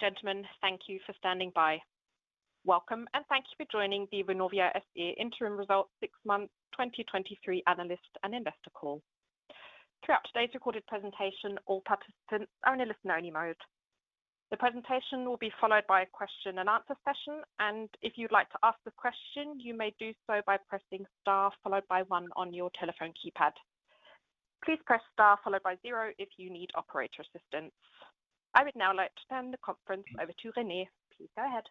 Ladies and gentlemen, thank you for standing by. Welcome. Thank you for joining the Vonovia SE Interim Results 6 months 2023 Analyst and Investor Call. Throughout today's recorded presentation, all participants are in listen-only mode. The presentation will be followed by a question and answer session, and if you'd like to ask a question, you may do so by pressing star followed by 1 on your telephone keypad. Please press star followed by 0 if you need operator assistance. I would now like to turn the conference over to Rene. Please go ahead.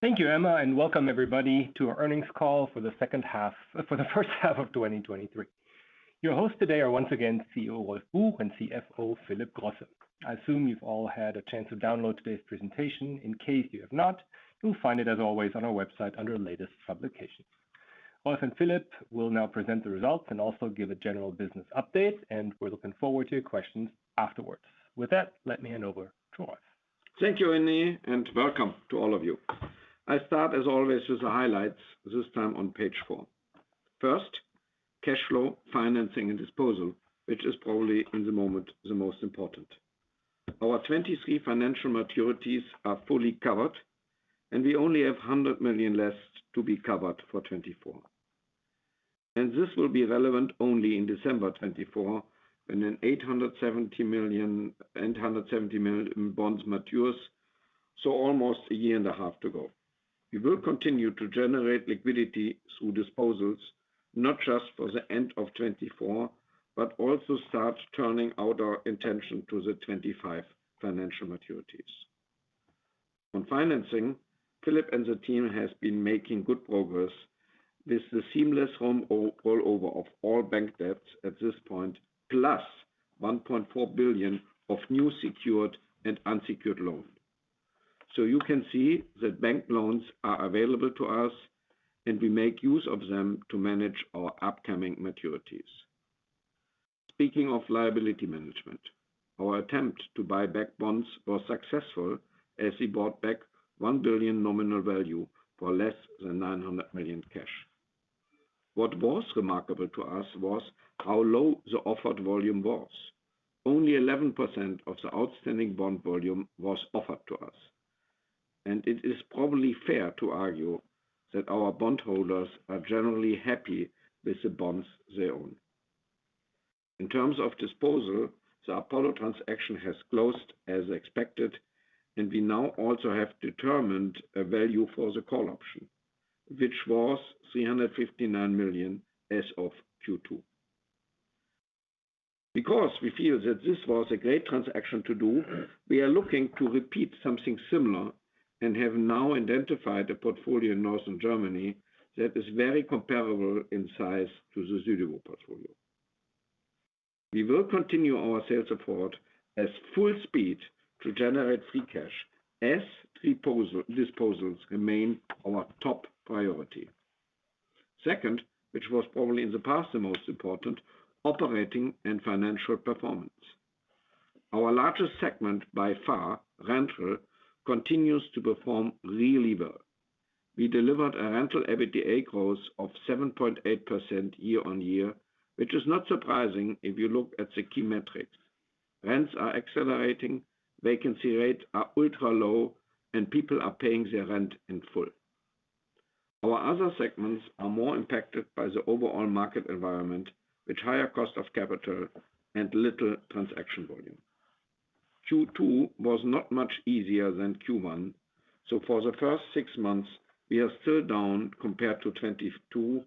Thank you, Emma, welcome everybody to our earnings call for the first half of 2023. Your hosts today are once again CEO Rolf Buch and CFO Philip Grosse. I assume you've all had a chance to download today's presentation. In case you have not, you'll find it, as always, on our website under Latest Publications. Rolf and Philip will now present the results and also give a general business update. We're looking forward to your questions afterwards. With that, let me hand over to Rolf. Thank you, Rene. Welcome to all of you. I start, as always, with the highlights, this time on page 4. First, cash flow, financing, and disposal, which is probably in the moment, the most important. Our 2023 financial maturities are fully covered, and we only have 100 million less to be covered for 2024. This will be relevant only in December 2024, when an 870 million, 870 million in bonds matures, so almost a year and a half to go. We will continue to generate liquidity through disposals, not just for the end of 2024, but also start turning our intention to the 2025 financial maturities. On financing, Philip and the team has been making good progress with the seamless rollover of all bank debts at this point, plus 1.4 billion of new secured and unsecured loans. You can see that bank loans are available to us, and we make use of them to manage our upcoming maturities. Speaking of liability management, our attempt to buy back bonds was successful as we bought back 1 billion nominal value for less than 900 million cash. What was remarkable to us was how low the offered volume was. Only 11% of the outstanding bond volume was offered to us, and it is probably fair to argue that our bondholders are generally happy with the bonds they own. In terms of disposal, the Apollo transaction has closed as expected, and we now also have determined a value for the call option, which was 359 million as of Q2. We feel that this was a great transaction to do, we are looking to repeat something similar and have now identified a portfolio in Northern Germany that is very comparable in size to the Südewo portfolio. We will continue our sales effort at full speed to generate free cash as disposals remain our top priority. Second, which was probably in the past, the most important, operating and financial performance. Our largest segment, by far, rental, continues to perform really well. We delivered a rental EBITDA growth of 7.8% year-on-year, which is not surprising if you look at the key metrics. Rents are accelerating, vacancy rates are ultra-low, and people are paying their rent in full. Our other segments are more impacted by the overall market environment, with higher cost of capital and little transaction volume. Q2 was not much easier than Q1. For the first six months, we are still down compared to 2022.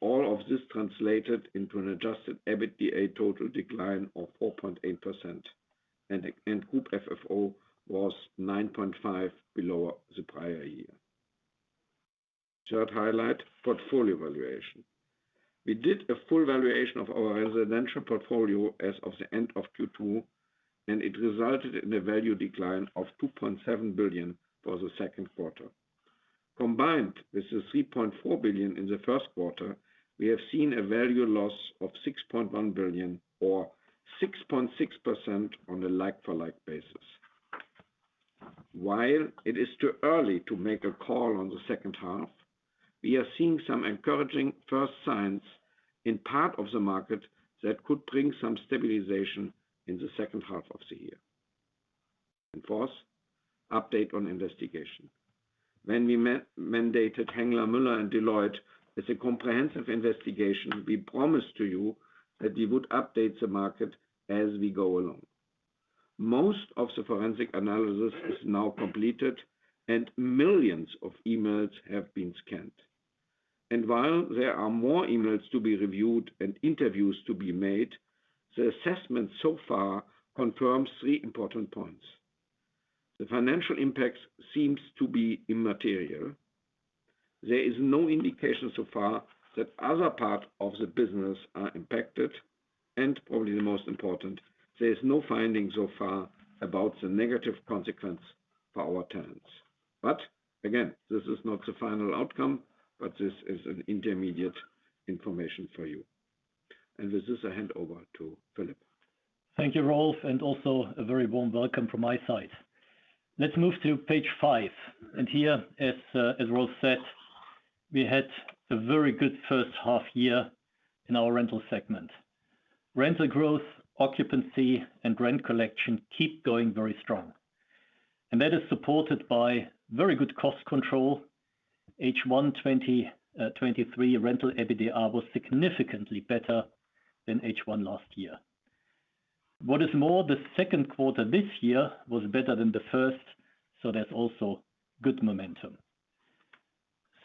All of this translated into an adjusted EBITDA total decline of 4.8%. Group FFO was 9.5 below the prior year. Third highlight, portfolio valuation. We did a full valuation of our residential portfolio as of the end of Q2. It resulted in a value decline of 2.7 billion for the second quarter. Combined with 3.4 billion in the first quarter, we have seen a value loss of 6.1 billion or 6.6% on a like-for-like basis. While it is too early to make a call on the second half, we are seeing some encouraging first signs in part of the market that could bring some stabilization in the second half of the year. Fourth, update on investigation. When we mandated Hengeler Mueller and Deloitte with a comprehensive investigation, we promised to you that we would update the market as we go along. Most of the forensic analysis is now completed, and millions of emails have been scanned. While there are more emails to be reviewed and interviews to be made, the assessment so far confirms three important points: the financial impact seems to be immaterial, there is no indication so far that other parts of the business are impacted, and probably the most important, there is no finding so far about the negative consequence for our tenants. Again, this is not the final outcome, but this is an intermediate information for you. With this, I hand over to Philip. Thank you, Rolf, and also a very warm welcome from my side. Let's move to page five, and here, as Rolf said- We had a very good first half year in our rental segment. Rental growth, occupancy, and rent collection keep going very strong, and that is supported by very good cost control. H1 2023 rental EBITDA was significantly better than H1 last year. What is more, the second quarter this year was better than the first, so there's also good momentum.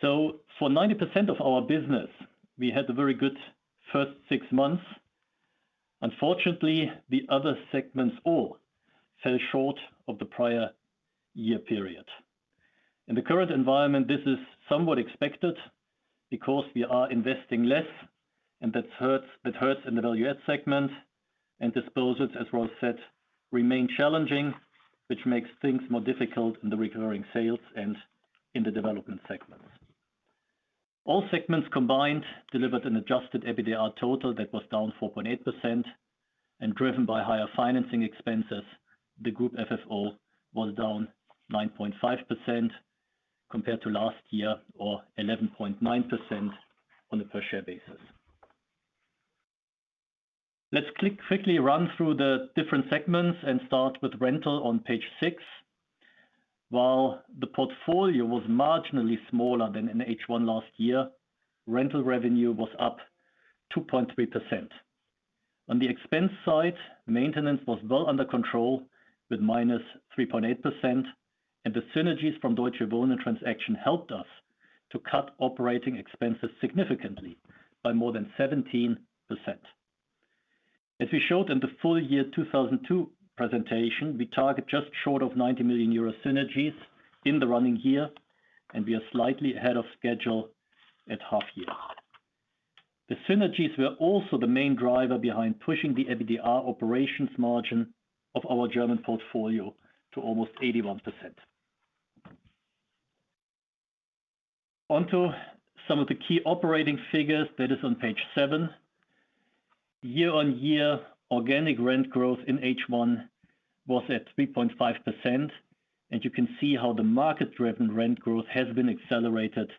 For 90% of our business, we had a very good first six months. Unfortunately, the other segments all fell short of the prior year period. In the current environment, this is somewhat expected because we are investing less, and that hurts, that hurts in the Value-add segment, and disposals, as Ross said, remain challenging, which makes things more difficult in the Recurring Sales and in the Development segments. All segments combined delivered an adjusted EBITDA total that was down 4.8% and driven by higher financing expenses. The Group FFO was down 9.5% compared to last year or 11.9% on a per share basis. Let's quickly run through the different segments and start with rental on page 6. While the portfolio was marginally smaller than in H1 last year, rental revenue was up 2.3%. On the expense side, maintenance was well under control, with -3.8%, and the synergies from Deutsche Wohnen transaction helped us to cut operating expenses significantly by more than 17%. As we showed in the full year 2002 presentation, we target just short of 90 million euro synergies in the running year, and we are slightly ahead of schedule at half year. The synergies were also the main driver behind pushing the EBITDA operations margin of our German portfolio to almost 81%. On to some of the key operating figures that is on page 7. Year-on-year, organic rent growth in H1 was at 3.5%, you can see how the market-driven rent growth has been accelerated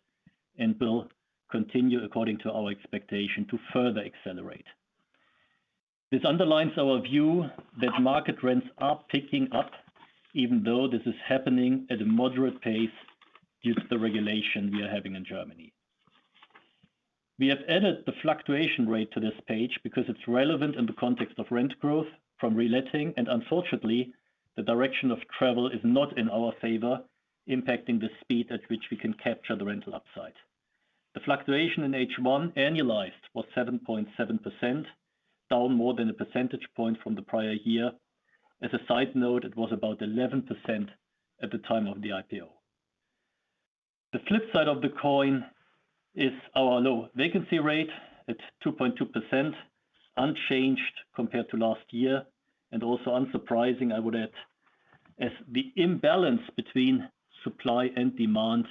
and will continue according to our expectation to further accelerate. This underlines our view that market rents are picking up, even though this is happening at a moderate pace due to the regulation we are having in Germany. We have added the fluctuation rate to this page because it's relevant in the context of rent growth from reletting, unfortunately, the direction of travel is not in our favor, impacting the speed at which we can capture the rental upside. The fluctuation in H1 annualized was 7.7%, down more than a percentage point from the prior year. As a side note, it was about 11% at the time of the IPO. The flip side of the coin is our low vacancy rate at 2.2%, unchanged compared to last year, and also unsurprising, I would add, as the imbalance between supply and demand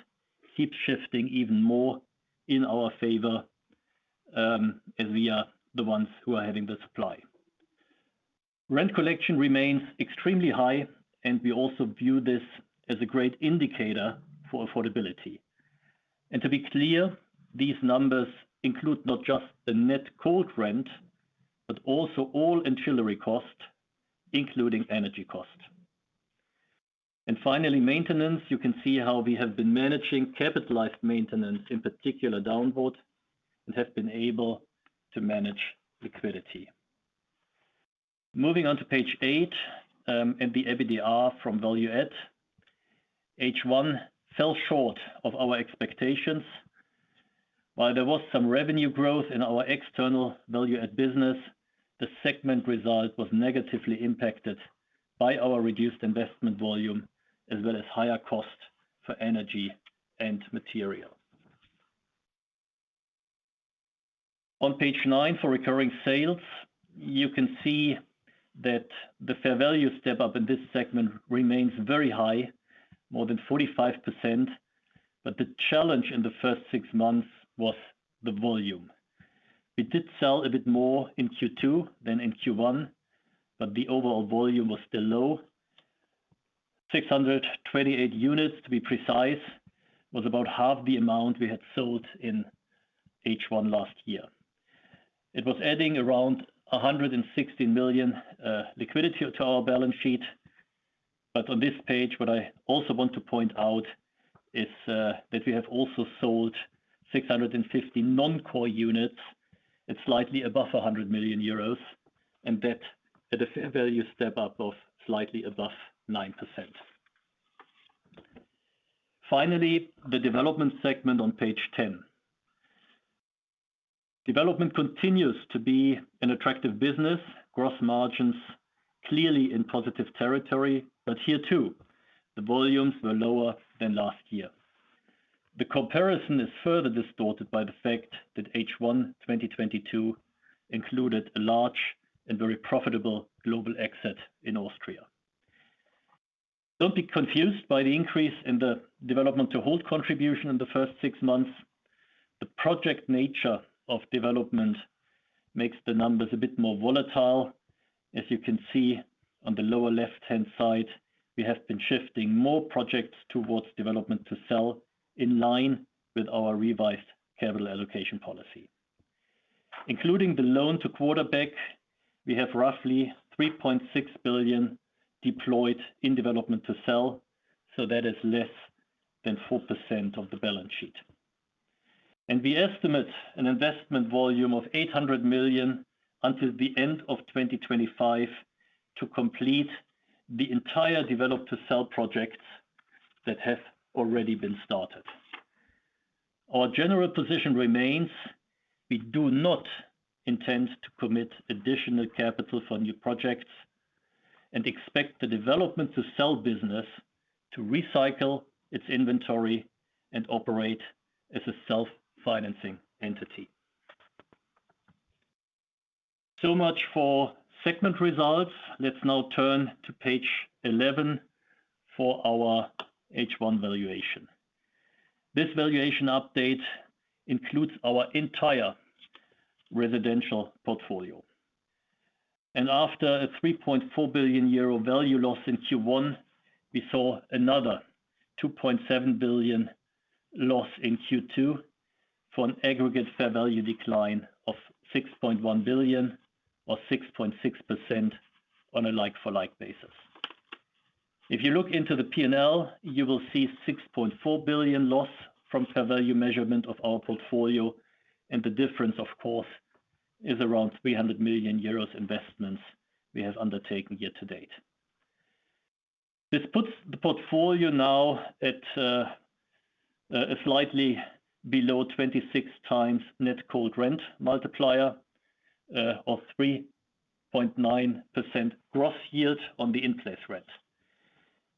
keeps shifting even more in our favor, as we are the ones who are having the supply. Rent collection remains extremely high. We also view this as a great indicator for affordability. To be clear, these numbers include not just the net cold rent, but also all ancillary costs, including energy costs. Finally, maintenance. You can see how we have been managing capitalized maintenance, in particular downward, and have been able to manage liquidity. Moving on to page 8, the EBITDA from Value-add. H1 fell short of our expectations. While there was some revenue growth in our external Value-add business, the segment result was negatively impacted by our reduced investment volume, as well as higher cost for energy and material. On page 9, for Recurring Sales, you can see that the fair value step-up in this segment remains very high, more than 45%, the challenge in the first six months was the volume. We did sell a bit more in Q2 than in Q1, the overall volume was still low. 628 units, to be precise, was about half the amount we had sold in H1 last year. It was adding around 116 million liquidity to our balance sheet. On this page, what I also want to point out is that we have also sold 650 non-core units at slightly above 100 million euros, and that at a fair value step-up of slightly above 9%. Finally, the development segment on page 10. Development continues to be an attractive business. Gross margins clearly in positive territory, but here too, the volumes were lower than last year. The comparison is further distorted by the fact that H1 2022 included a large and very profitable global exit in Austria. Don't be confused by the increase in the Development to hold contribution in the first 6 months. The project nature of development makes the numbers a bit more volatile. As you can see on the lower left-hand side, we have been shifting more projects towards Development to sell in line with our revised capital allocation policy. Including the loan to Quarterback, we have roughly 3.6 billion deployed in Development to sell, that is less than 4% of the balance sheet. We estimate an investment volume of 800 million until the end of 2025 to complete the entire Development to sell projects that have already been started. Our general position remains: we do not intend to commit additional capital for new projects, and expect the Development to sell business to recycle its inventory and operate as a self-financing entity. Much for segment results. Let's now turn to page 11 for our H1 valuation. This valuation update includes our entire residential portfolio. After a 3.4 billion euro value loss in Q1, we saw another 2.7 billion loss in Q2, for an aggregate fair value decline of 6.1 billion, or 6.6% on a like-for-like basis. If you look into the P&L, you will see 6.4 billion loss from fair value measurement of our portfolio, and the difference, of course, is around 300 million euros investments we have undertaken year to date. This puts the portfolio now at a slightly below 26 times net cold rent multiplier, or 3.9% gross yield on the in-place rent.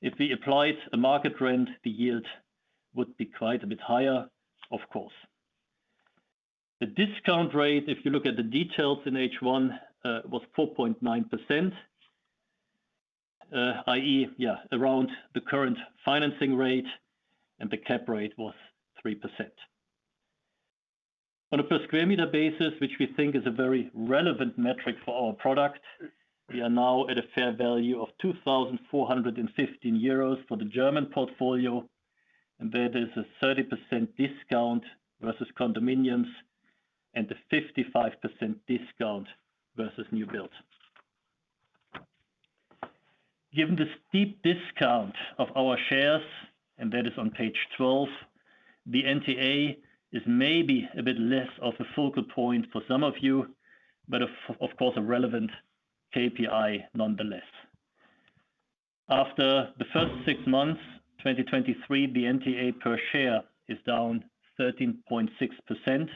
If we applied a market rent, the yield would be quite a bit higher, of course. The discount rate, if you look at the details in H1, was 4.9%, i.e., around the current financing rate, and the cap rate was 3%. On a per square meter basis, which we think is a very relevant metric for our product, we are now at a fair value of 2,415 euros for the German portfolio, and there is a 30% discount versus condominiums and a 55% discount versus new builds. Given the steep discount of our shares, and that is on page 12, the NTA is maybe a bit less of a focal point for some of you, but of course, a relevant KPI nonetheless. After the first six months, 2023, the NTA per share is down 13.6% to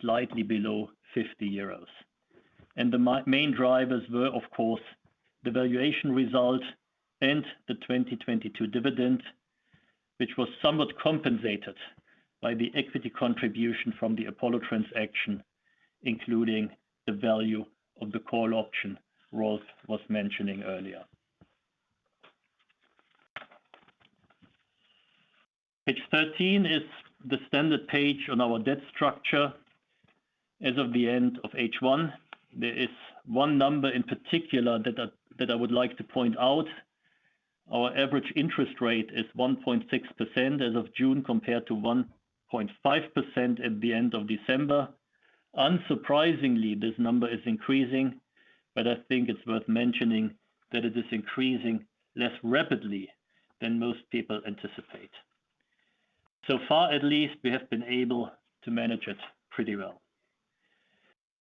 slightly below 50 euros. The main drivers were, of course, the valuation result and the 2022 dividend, which was somewhat compensated by the equity contribution from the Apollo transaction, including the value of the call option Rolf was mentioning earlier. Page 13 is the standard page on our debt structure as of the end of H1. There is one number in particular that I would like to point out. Our average interest rate is 1.6% as of June, compared to 1.5% at the end of December. Unsurprisingly, this number is increasing, but I think it's worth mentioning that it is increasing less rapidly than most people anticipate. Far, at least, we have been able to manage it pretty well.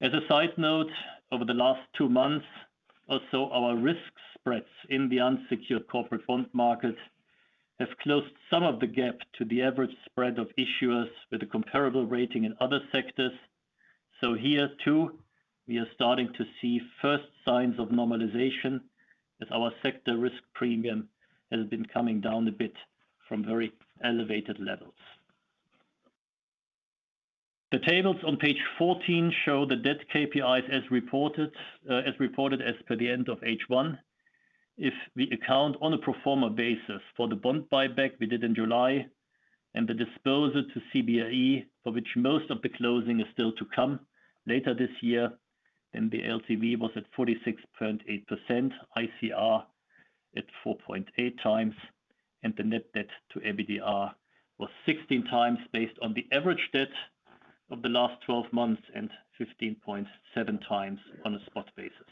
As a side note, over the last 2 months or so, our risk spreads in the unsecured corporate bond market have closed some of the gap to the average spread of issuers with a comparable rating in other sectors. Here, too, we are starting to see first signs of normalization, as our sector risk premium has been coming down a bit from very elevated levels. The tables on page 14 show the debt KPIs as reported, as reported as per the end of H1. If we account on a pro forma basis for the bond buyback we did in July and the disposal to CBRE, for which most of the closing is still to come later this year, then the LTV was at 46.8%, ICR at 4.8 times, and the net debt-to-EBITDA was 16 times based on the average debt of the last 12 months and 15.7 times on a spot basis.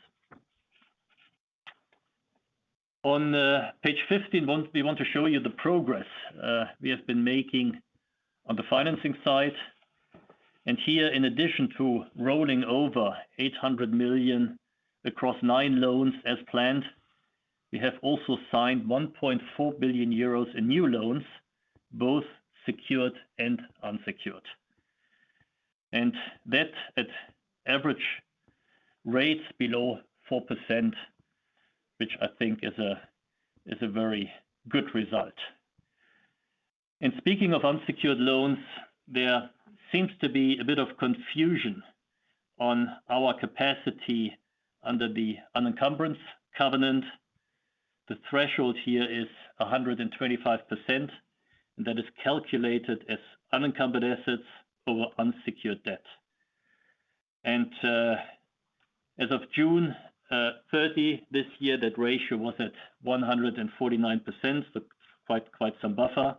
On page 15, we want to show you the progress we have been making on the financing side. Here, in addition to rolling over 800 million across 9 loans as planned, we have also signed 1.4 billion euros in new loans, both secured and unsecured. That at average rates below 4%, which I think is a very good result. Speaking of unsecured loans, there seems to be a bit of confusion on our capacity under the unencumbrance covenant. The threshold here is 125%, and that is calculated as unencumbered assets over unsecured debt. As of June 30 this year, that ratio was at 149%, so quite, quite some buffer.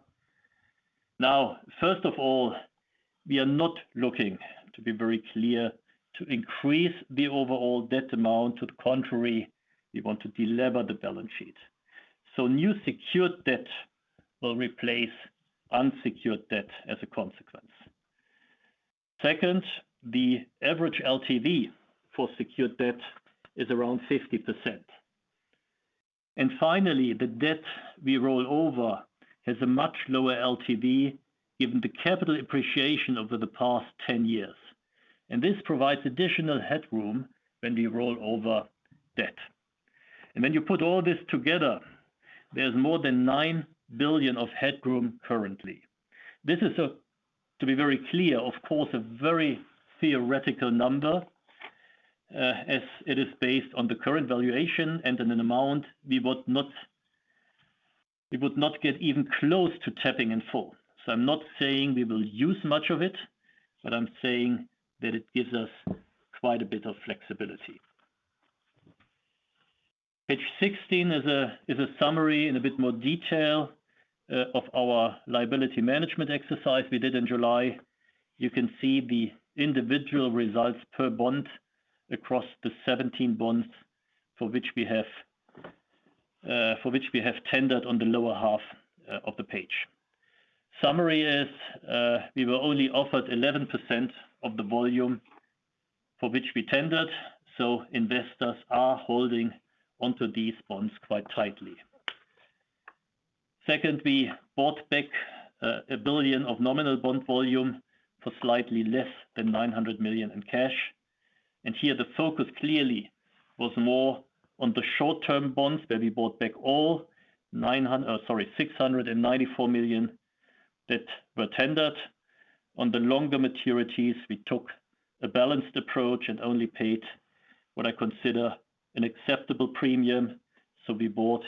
Now, first of all, we are not looking to be very clear to increase the overall debt amount. To the contrary, we want to delever the balance sheet. New secured debt will replace unsecured debt as a consequence. Second, the average LTV for secured debt is around 50%. Finally, the debt we roll over has a much lower LTV, given the capital appreciation over the past 10 years, and this provides additional headroom when we roll over debt. When you put all this together, there's more than 9 billion of headroom currently. This is, to be very clear, of course, a very theoretical number, as it is based on the current valuation and an amount we would not, we would not get even close to tapping in full. I'm not saying we will use much of it, but I'm saying that it gives us quite a bit of flexibility. Page 16 is a, is a summary in a bit more detail of our liability management exercise we did in July. You can see the individual results per bond across the 17 bonds for which we have, for which we have tendered on the lower half of the page. Summary is, we were only offered 11% of the volume for which we tendered, investors are holding onto these bonds quite tightly. Second, we bought back 1 billion of nominal bond volume for slightly less than 900 million in cash. Here the focus clearly was more on the short-term bonds, where we bought back all 694 million that were tendered. On the longer maturities, we took a balanced approach and only paid what I consider an acceptable premium. We bought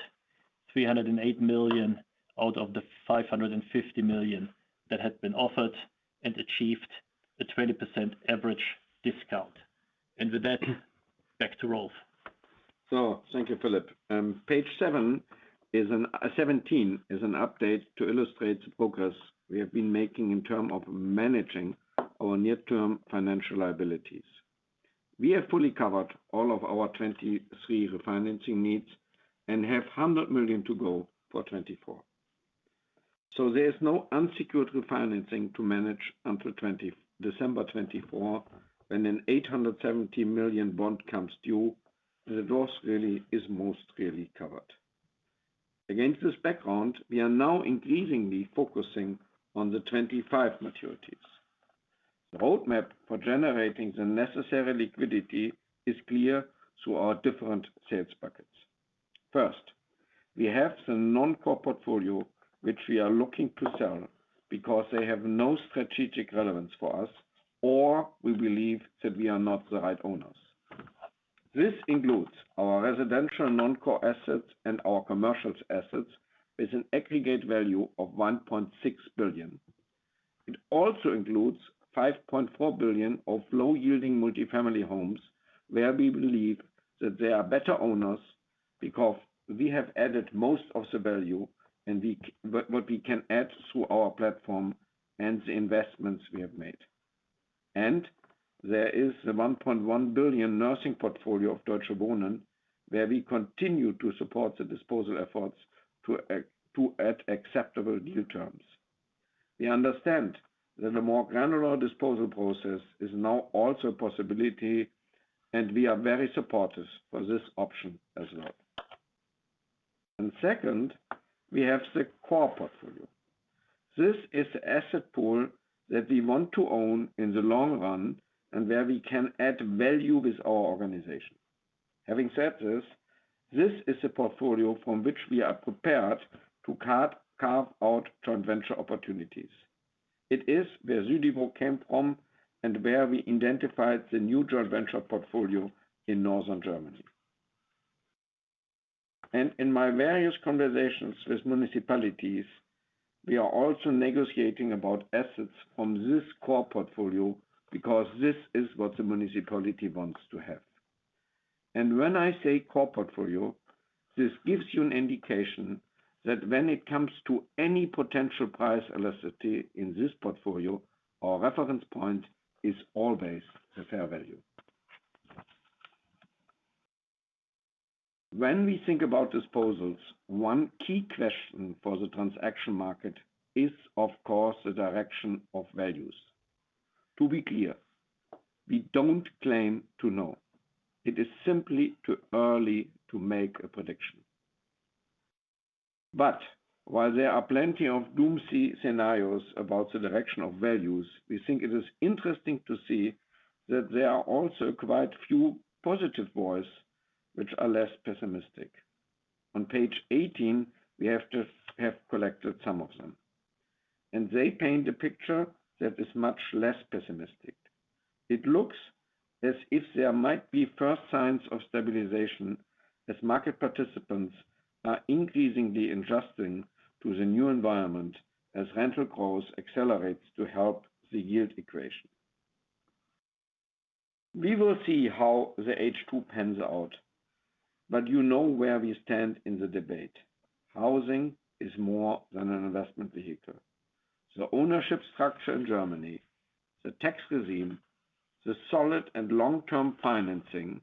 308 million out of the 550 million that had been offered and achieved a 20% average discount. With that, back to Rolf. Thank you, Philip Grosse. Page 17 is an update to illustrate the progress we have been making in term of managing our near-term financial liabilities. We have fully covered all of our 2023 refinancing needs and have 100 million to go for 2024. There's no unsecured refinancing to manage until December 2024, when an 870 million bond comes due, the door really is most clearly covered. Against this background, we are now increasingly focusing on the 2025 maturities. The roadmap for generating the necessary liquidity is clear through our different sales buckets. First, we have the non-core portfolio, which we are looking to sell because they have no strategic relevance for us, or we believe that we are not the right owners. This includes our residential non-core assets and our commercials assets, with an aggregate value of 1.6 billion. It also includes 5.4 billion of low-yielding multifamily homes, where we believe that there are better owners because we have added most of the value and what we can add through our platform and the investments we have made. There is the 1.1 billion nursing portfolio of Deutsche Wohnen, where we continue to support the disposal efforts to add acceptable new terms. We understand that a more granular disposal process is now also a possibility, and we are very supportive for this option as well. Second, we have the core portfolio. This is the asset pool that we want to own in the long run and where we can add value with our organization. Having said this, this is a portfolio from which we are prepared to carve, carve out joint venture opportunities. It is where Südewo came from and where we identified the new joint venture portfolio in Northern Germany. In my various conversations with municipalities, we are also negotiating about assets from this core portfolio because this is what the municipality wants to have. When I say core portfolio, this gives you an indication that when it comes to any potential price elasticity in this portfolio, our reference point is always the fair value. When we think about disposals, one key question for the transaction market is, of course, the direction of values. To be clear, we don't claim to know. It is simply too early to make a prediction. While there are plenty of doomsday scenarios about the direction of values, we think it is interesting to see that there are also quite a few positive voices, which are less pessimistic. On page 18, we have collected some of them. They paint a picture that is much less pessimistic. It looks as if there might be first signs of stabilization, as market participants are increasingly adjusting to the new environment, as rental growth accelerates to help the yield equation. We will see how the H2 pans out, but you know where we stand in the debate. Housing is more than an investment vehicle. The ownership structure in Germany, the tax regime, the solid and long-term financing,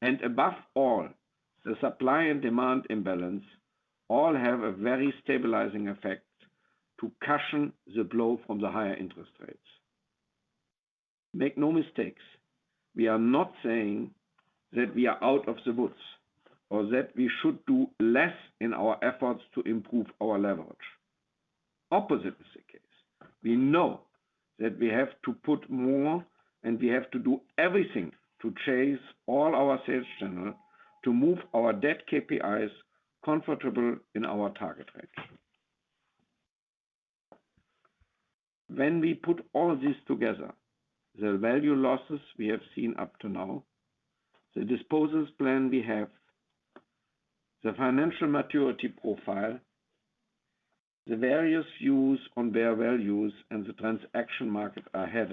and above all, the supply and demand imbalance, all have a very stabilizing effect to cushion the blow from the higher interest rates. Make no mistakes, we are not saying that we are out of the woods or that we should do less in our efforts to improve our leverage. Opposite is the case. We know that we have to put more, and we have to do everything to chase all our sales channel to move our debt KPIs comfortable in our target range. When we put all this together, the value losses we have seen up to now, the disposals plan we have, the financial maturity profile, the various views on fair values and the transaction market ahead,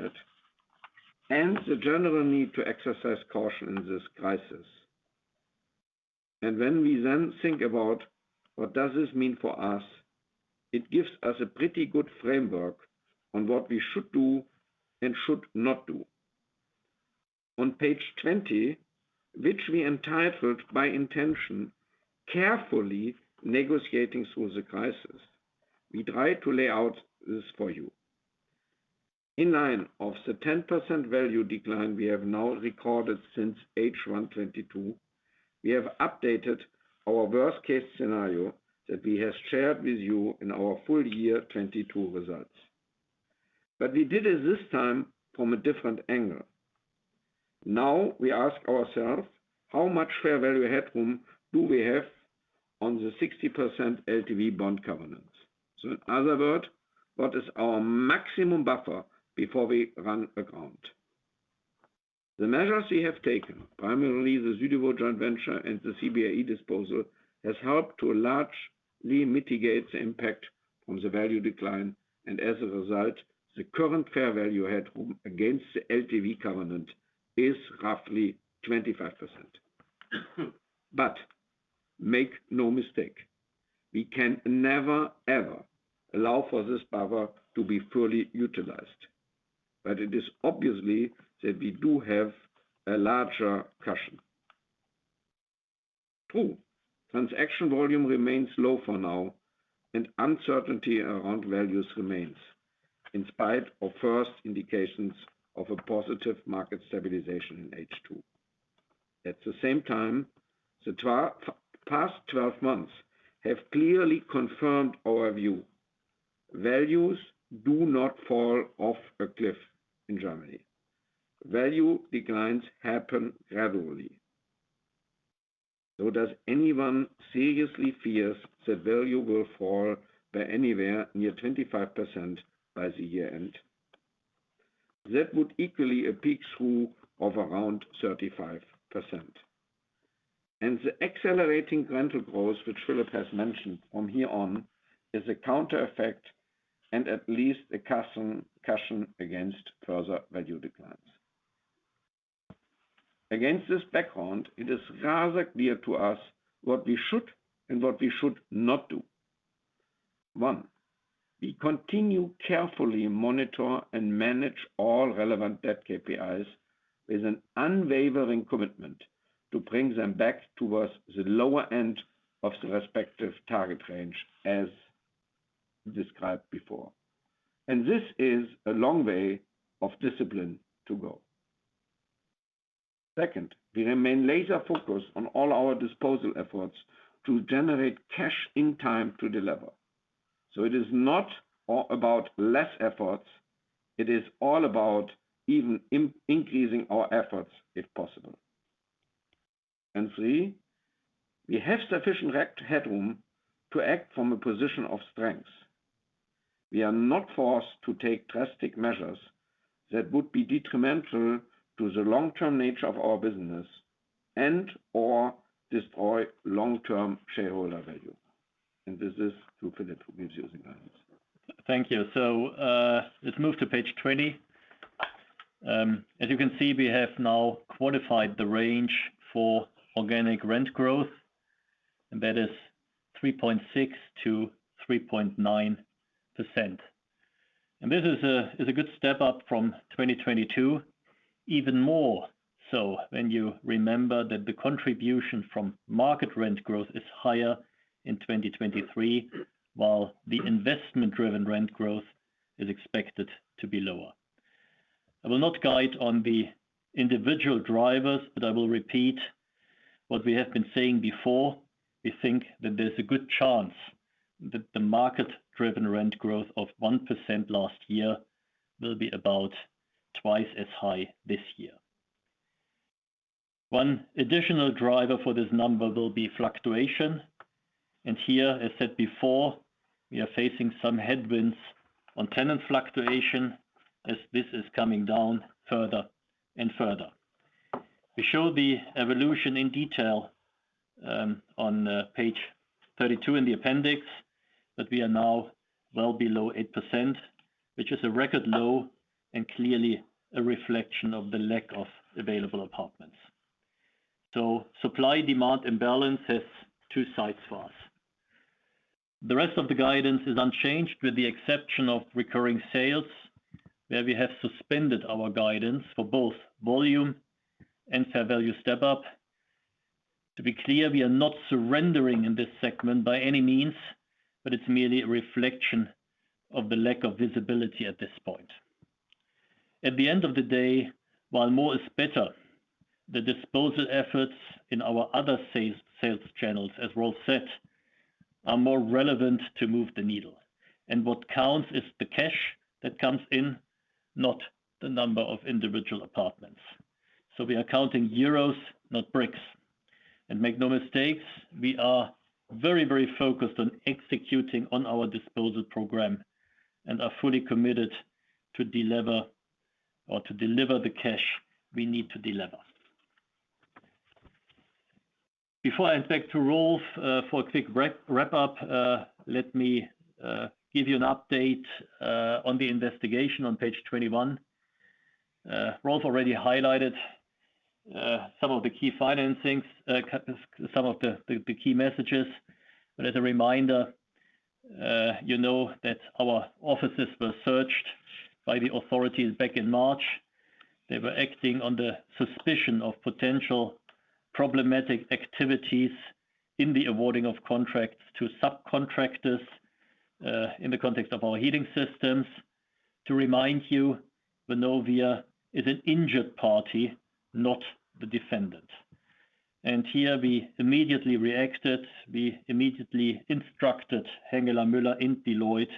and the general need to exercise caution in this crisis, and when we then think about what does this mean for us, it gives us a pretty good framework on what we should do and should not do. On page 20, which we entitled by intention, "Carefully negotiating through the crisis," we try to lay out this for you. In line of the 10% value decline we have now recorded since H1 2022, we have updated our worst-case scenario that we have shared with you in our full year 2022 results. We did it this time from a different angle. We ask ourselves, how much fair value headroom do we have on the 60% LTV bond covenants? In other words, what is our maximum buffer before we run aground? The measures we have taken, primarily the Südewo joint venture and the CBRE disposal, has helped to largely mitigate the impact from the value decline, and as a result, the current fair value headroom against the LTV covenant is roughly 25%. Make no mistake, we can never, ever allow for this buffer to be fully utilized. It is obviously that we do have a larger cushion. 2. Transaction volume remains low for now, and uncertainty around values remains, in spite of first indications of a positive market stabilization in H2. At the same time, the past 12 months have clearly confirmed our view: values do not fall off a cliff in Germany. Value declines happen gradually. Does anyone seriously fear the value will fall by anywhere near 25% by the year end? That would equally a peak through of around 35%. The accelerating rental growth, which Philip has mentioned from here on, is a counter effect and at least a cushion against further value declines. Against this background, it is rather clear to us what we should and what we should not do. One, we continue carefully monitor and manage all relevant debt KPIs with an unwavering commitment to bring them back towards the lower end of the respective target range, as described before. This is a long way of discipline to go. Second, we remain laser focused on all our disposal efforts to generate cash in time to deliver. It is not about less efforts, it is all about even increasing our efforts, if possible. Three, we have sufficient headroom to act from a position of strength. We are not forced to take drastic measures that would be detrimental to the long-term nature of our business and, or destroy long-term shareholder value. This is to Philip, who gives you the guidance. Thank you. Let's move to page 20. As you can see, we have now quantified the range for organic rent growth, 3.6%-3.9%. This is a good step up from 2022. Even more so when you remember that the contribution from market rent growth is higher in 2023, while the investment-driven rent growth is expected to be lower. I will not guide on the individual drivers, but I will repeat what we have been saying before. We think that there's a good chance that the market-driven rent growth of 1% last year will be about twice as high this year. One additional driver for this number will be fluctuation. Here, as said before, we are facing some headwinds on tenant fluctuation as this is coming down further and further. We show the evolution in detail on page 32 in the appendix, but we are now well below 8%, which is a record low and clearly a reflection of the lack of available apartments. Supply-demand imbalance has two sides for us. The rest of the guidance is unchanged, with the exception of Recurring Sales, where we have suspended our guidance for both volume and fair value step-up. To be clear, we are not surrendering in this segment by any means, but it's merely a reflection of the lack of visibility at this point. At the end of the day, while more is better, the disposal efforts in our other sales, sales channels, as Rolf said, are more relevant to move the needle. What counts is the cash that comes in, not the number of individual apartments. We are counting euros, not bricks. Make no mistake, we are very, very focused on executing on our disposal program and are fully committed to delever or to deliver the cash we need to delever. Before I hand back to Rolf for a quick wrap, wrap up, let me give you an update on the investigation on page 21. Rolf already highlighted some of the key financings, some of the, the, the key messages. As a reminder, you know that our offices were searched by the authorities back in March. They were acting on the suspicion of potential problematic activities in the awarding of contracts to subcontractors in the context of our heating systems. To remind you, Vonovia is an injured party, not the defendant. Here we immediately reacted. We immediately instructed Hengeler Mueller and Deloitte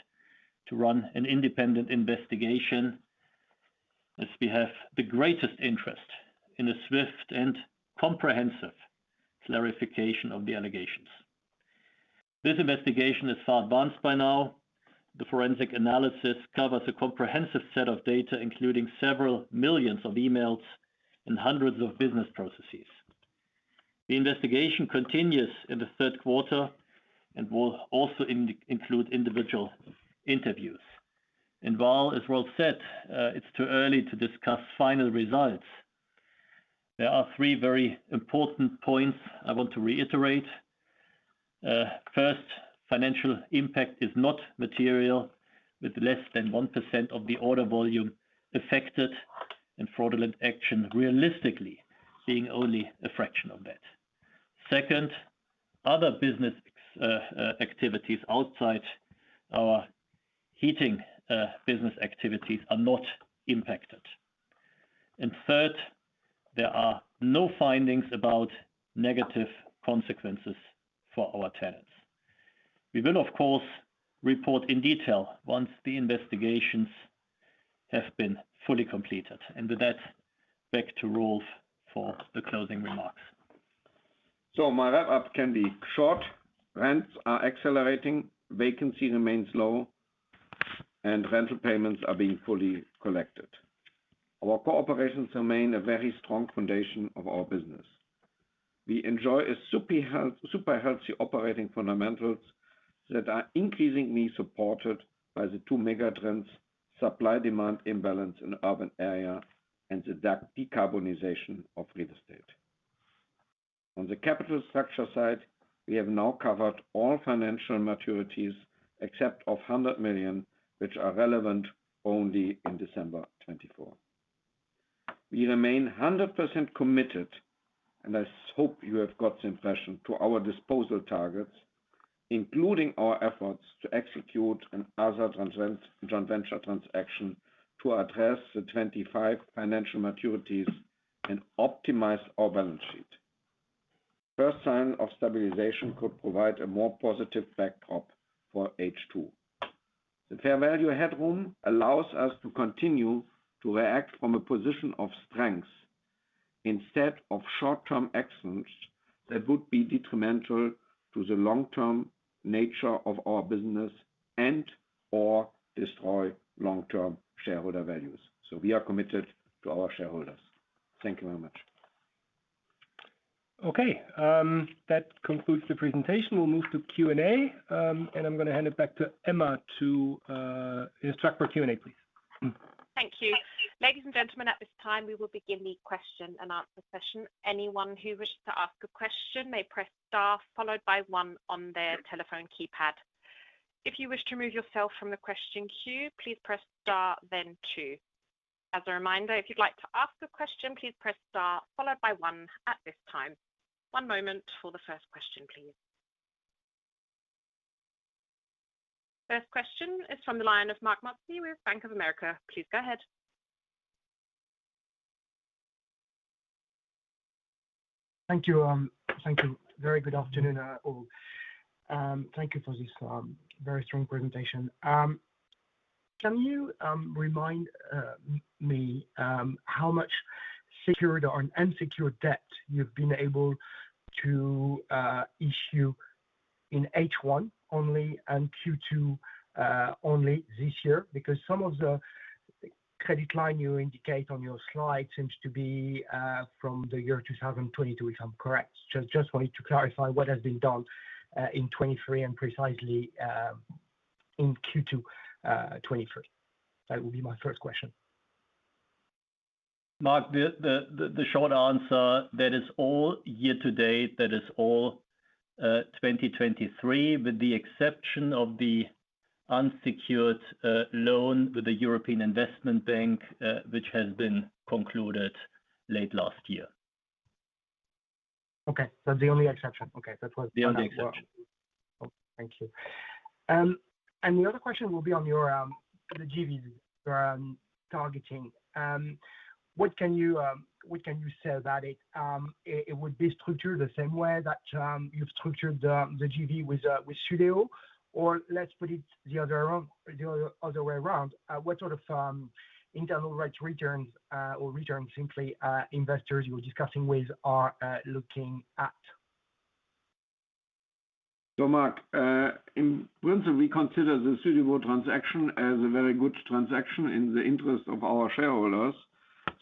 to run an independent investigation, as we have the greatest interest in a swift and comprehensive clarification of the allegations. This investigation is far advanced by now. The forensic analysis covers a comprehensive set of data, including several millions of emails and hundreds of business processes. The investigation continues in the third quarter and will also include individual interviews. While, as Rolf said, it's too early to discuss final results, there are three very important points I want to reiterate. First, financial impact is not material, with less than 1% of the order volume affected and fraudulent action realistically being only a fraction of that. Second, other business activities outside our heating business activities are not impacted. Third, there are no findings about negative consequences for our tenants. We will, of course, report in detail once the investigations have been fully completed. With that, back to Rolf for the closing remarks. My wrap-up can be short. Rents are accelerating, vacancy remains low, and rental payments are being fully collected. Our cooperations remain a very strong foundation of our business. We enjoy super healthy operating fundamentals that are increasingly supported by the two megatrends: supply-demand imbalance in urban area and the decarbonization of real estate. On the capital structure side, we have now covered all financial maturities except of 100 million, which are relevant only in December 2024. We remain 100% committed, and I hope you have got the impression, to our disposal targets, including our efforts to execute another joint venture transaction to address the 25 financial maturities and optimize our balance sheet. First sign of stabilization could provide a more positive backdrop for H2. The fair value headroom allows us to continue to react from a position of strength instead of short-term actions that would be detrimental to the long-term nature of our business and/or destroy long-term shareholder values. We are committed to our shareholders. Thank you very much. Okay, that concludes the presentation. We'll move to Q&A, and I'm going to hand it back to Emma to instruct for Q&A, please. Thank you. Ladies and gentlemen, at this time, we will begin the question and answer session. Anyone who wishes to ask a question may press star, followed by one on their telephone keypad. If you wish to remove yourself from the question queue, please press star, then two. As a reminder, if you'd like to ask a question, please press star, followed by one at this time. One moment for the first question, please. First question is from the line of Marc Mozzi with Bank of America. Please go ahead. Thank you, thank you. Very good afternoon, all. Thank you for this very strong presentation. Can you remind me how much secured or unsecured debt you've been able to issue in H1 only and Q2 only this year? Because some of the credit line you indicate on your slide seems to be from the year 2022, if I'm correct. Just, just wanted to clarify what has been done in 23 and precisely in Q2 23. That will be my first question. Mark, the, the, the short answer, that is all year to date. That is all 2023, with the exception of the unsecured loan with the European Investment Bank, which has been concluded late last year. Okay. The only exception. Okay, that was- The only exception. Thank you. The other question will be on your on the JVs targeting. What can you what can you say about it? It would be structured the same way that you've structured the the JV with Südewo? Let's put it the other way around. What sort of internal rates, returns, or returns, simply, investors you were discussing with are looking at? Mark, in winter, we consider the Südewo transaction as a very good transaction in the interest of our shareholders.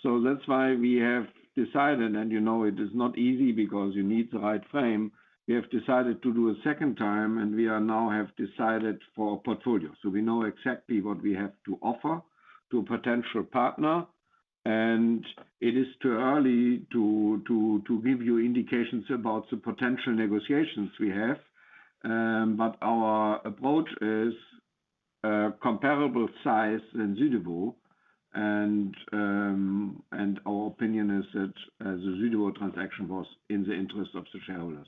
That's why we have decided, and you know, it is not easy because you need the right frame. We have decided to do a second time, and we are now have decided for a portfolio. We know exactly what we have to offer to a potential partner, and it is too early to give you indications about the potential negotiations we have. Our approach is a comparable size than Südewo, and our opinion is that as a Südewo transaction was in the interest of the shareholders.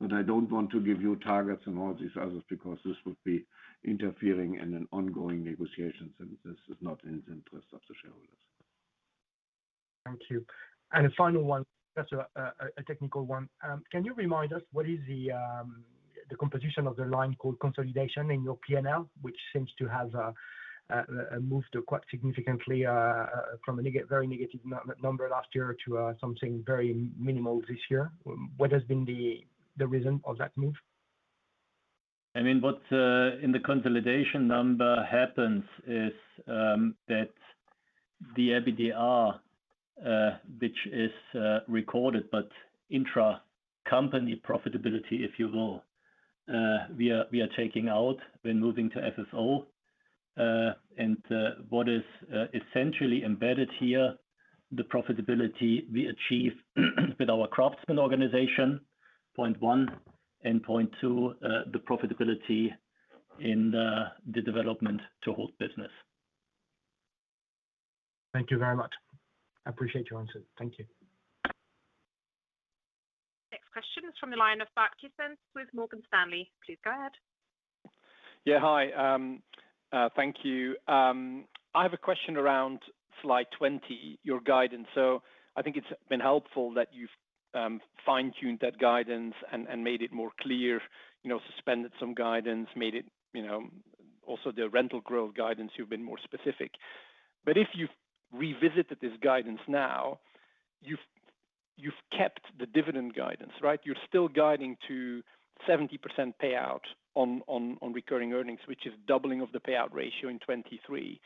I don't want to give you targets and all these others because this would be interfering in an ongoing negotiations, and this is not in the interest of the shareholders. Thank you. A final one, just a technical one. Can you remind us what is the composition of the line called consolidation in your P&L, which seems to have moved quite significantly from a very negative number last year to something very minimal this year? What has been the reason for that move? I mean, what in the consolidation number happens is that the EBITDA, which is recorded, but intra-company profitability, if you will, we are, we are taking out when moving to FFO. What is essentially embedded here, the profitability we achieve with our craftsman organization, point one, and point two, the profitability in the Development to hold business. Thank you very much. I appreciate your answer. Thank you. Next question is from the line of Bart Gysens with Morgan Stanley. Please go ahead. Yeah, hi. Thank you. I have a question around slide 20, your guidance. I think it's been helpful that you've fine-tuned that guidance and made it more clear, you know, suspended some guidance, made it, you know, also the rental growth guidance, you've been more specific. If you've revisited this guidance now, you've kept the dividend guidance, right? You're still guiding to 70% payout on recurring earnings, which is doubling of the payout ratio in 2023.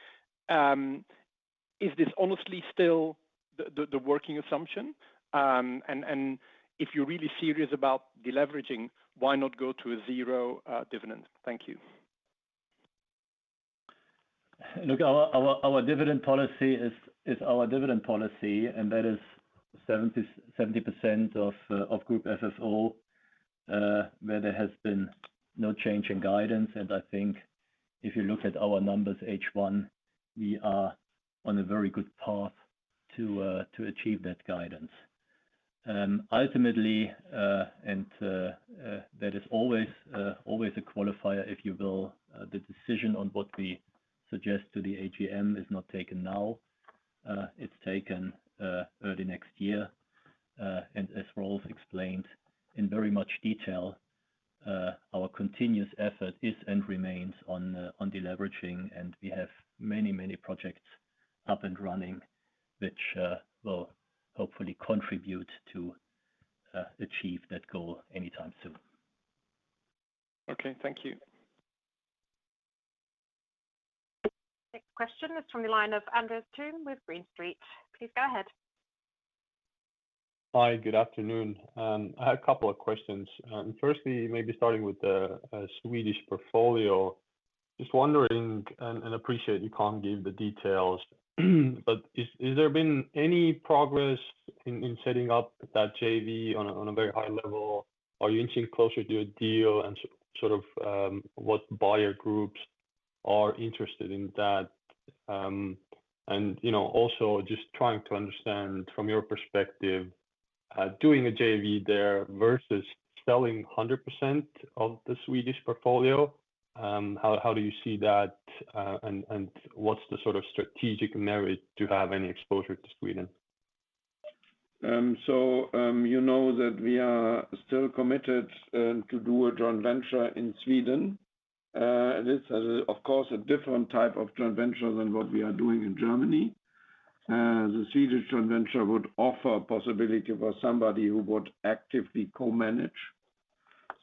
Is this honestly still the working assumption? If you're really serious about deleveraging, why not go to a zero dividend? Thank you. Look, our, our, our dividend policy is, is our dividend policy, that is 70, 70% of Group FFO, where there has been no change in guidance. I think if you look at our numbers, H1, we are on a very good path to achieve that guidance. Ultimately, and that is always, always a qualifier, if you will, the decision on what we suggest to the AGM is not taken now, it's taken early next year. As Rolf explained in very much detail, our continuous effort is and remains on deleveraging, and we have many, many projects up and running, which will hopefully contribute to achieve that goal anytime soon. Okay. Thank you. Next question is from the line of Andres Toome with Green Street. Please go ahead. Hi, good afternoon. I had a couple of questions. Firstly, maybe starting with the Swedish portfolio. Just wondering, and appreciate you can't give the details, but is, has there been any progress in setting up that JV on a very high level? Are you inching closer to a deal and sort of, what buyer groups are interested in that? You know, also just trying to understand from your perspective, doing a JV there versus selling 100% of the Swedish portfolio, how, how do you see that, and, and what's the sort of strategic merit to have any exposure to Sweden?... so, you know that we are still committed to do a joint venture in Sweden. This is, of course, a different type of joint venture than what we are doing in Germany. The Swedish joint venture would offer a possibility for somebody who would actively co-manage.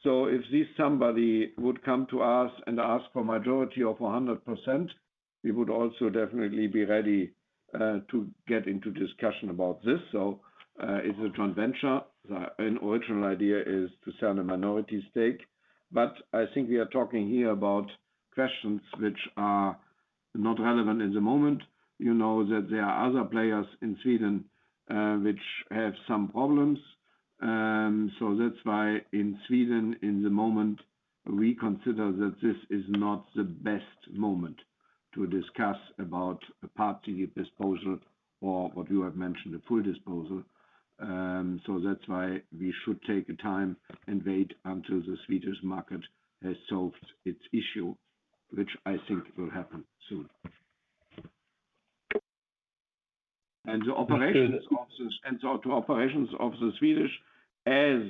If this somebody would come to us and ask for majority of 100%, we would also definitely be ready to get into discussion about this. It's a joint venture. An original idea is to sell a minority stake, but I think we are talking here about questions which are not relevant in the moment. You know that there are other players in Sweden which have some problems. So that's why in Sweden, in the moment, we consider that this is not the best moment to discuss about a party disposal or what you have mentioned, a full disposal. So that's why we should take the time and wait until the Swedish market has solved its issue, which I think will happen soon. The operations of the- and so to operations of the Swedish, as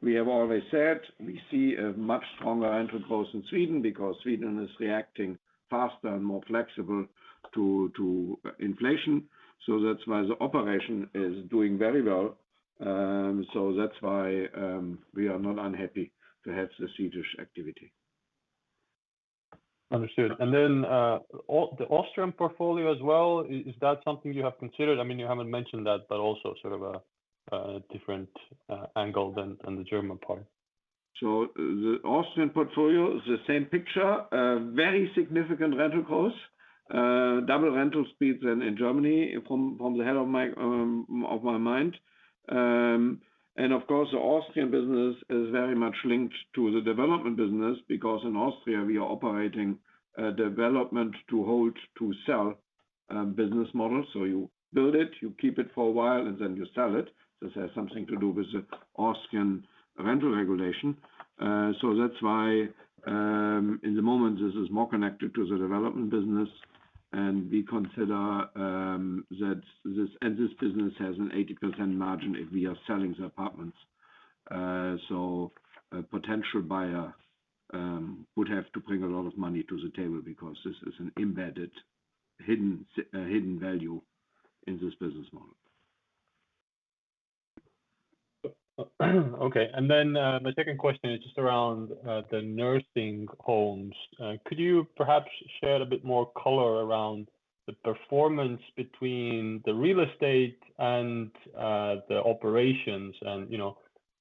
we have always said, we see a much stronger rental growth in Sweden because Sweden is reacting faster and more flexible to, to inflation. So that's why the operation is doing very well, so that's why we are not unhappy to have the Swedish activity. Understood. Then, the Austrian portfolio as well, is, is that something you have considered? I mean, you haven't mentioned that, but also sort of a, a different angle than, than the German part. The Austrian portfolio is the same picture, a very significant rental growth, double rental speeds than in Germany, from the head of my mind. Of course, the Austrian business is very much linked to the development business, because in Austria, we are operating a Development to hold, to sell business model. You build it, you keep it for a while, and then you sell it. This has something to do with the Austrian rental regulation. That's why, in the moment, this is more connected to the development business, and we consider that this business has an 80% margin if we are selling the apartments. A potential buyer would have to bring a lot of money to the table because this is an embedded, hidden, hidden value in this business model. Okay. My second question is just around the nursing homes. Could you perhaps shed a bit more color around the performance between the real estate and the operations? You know,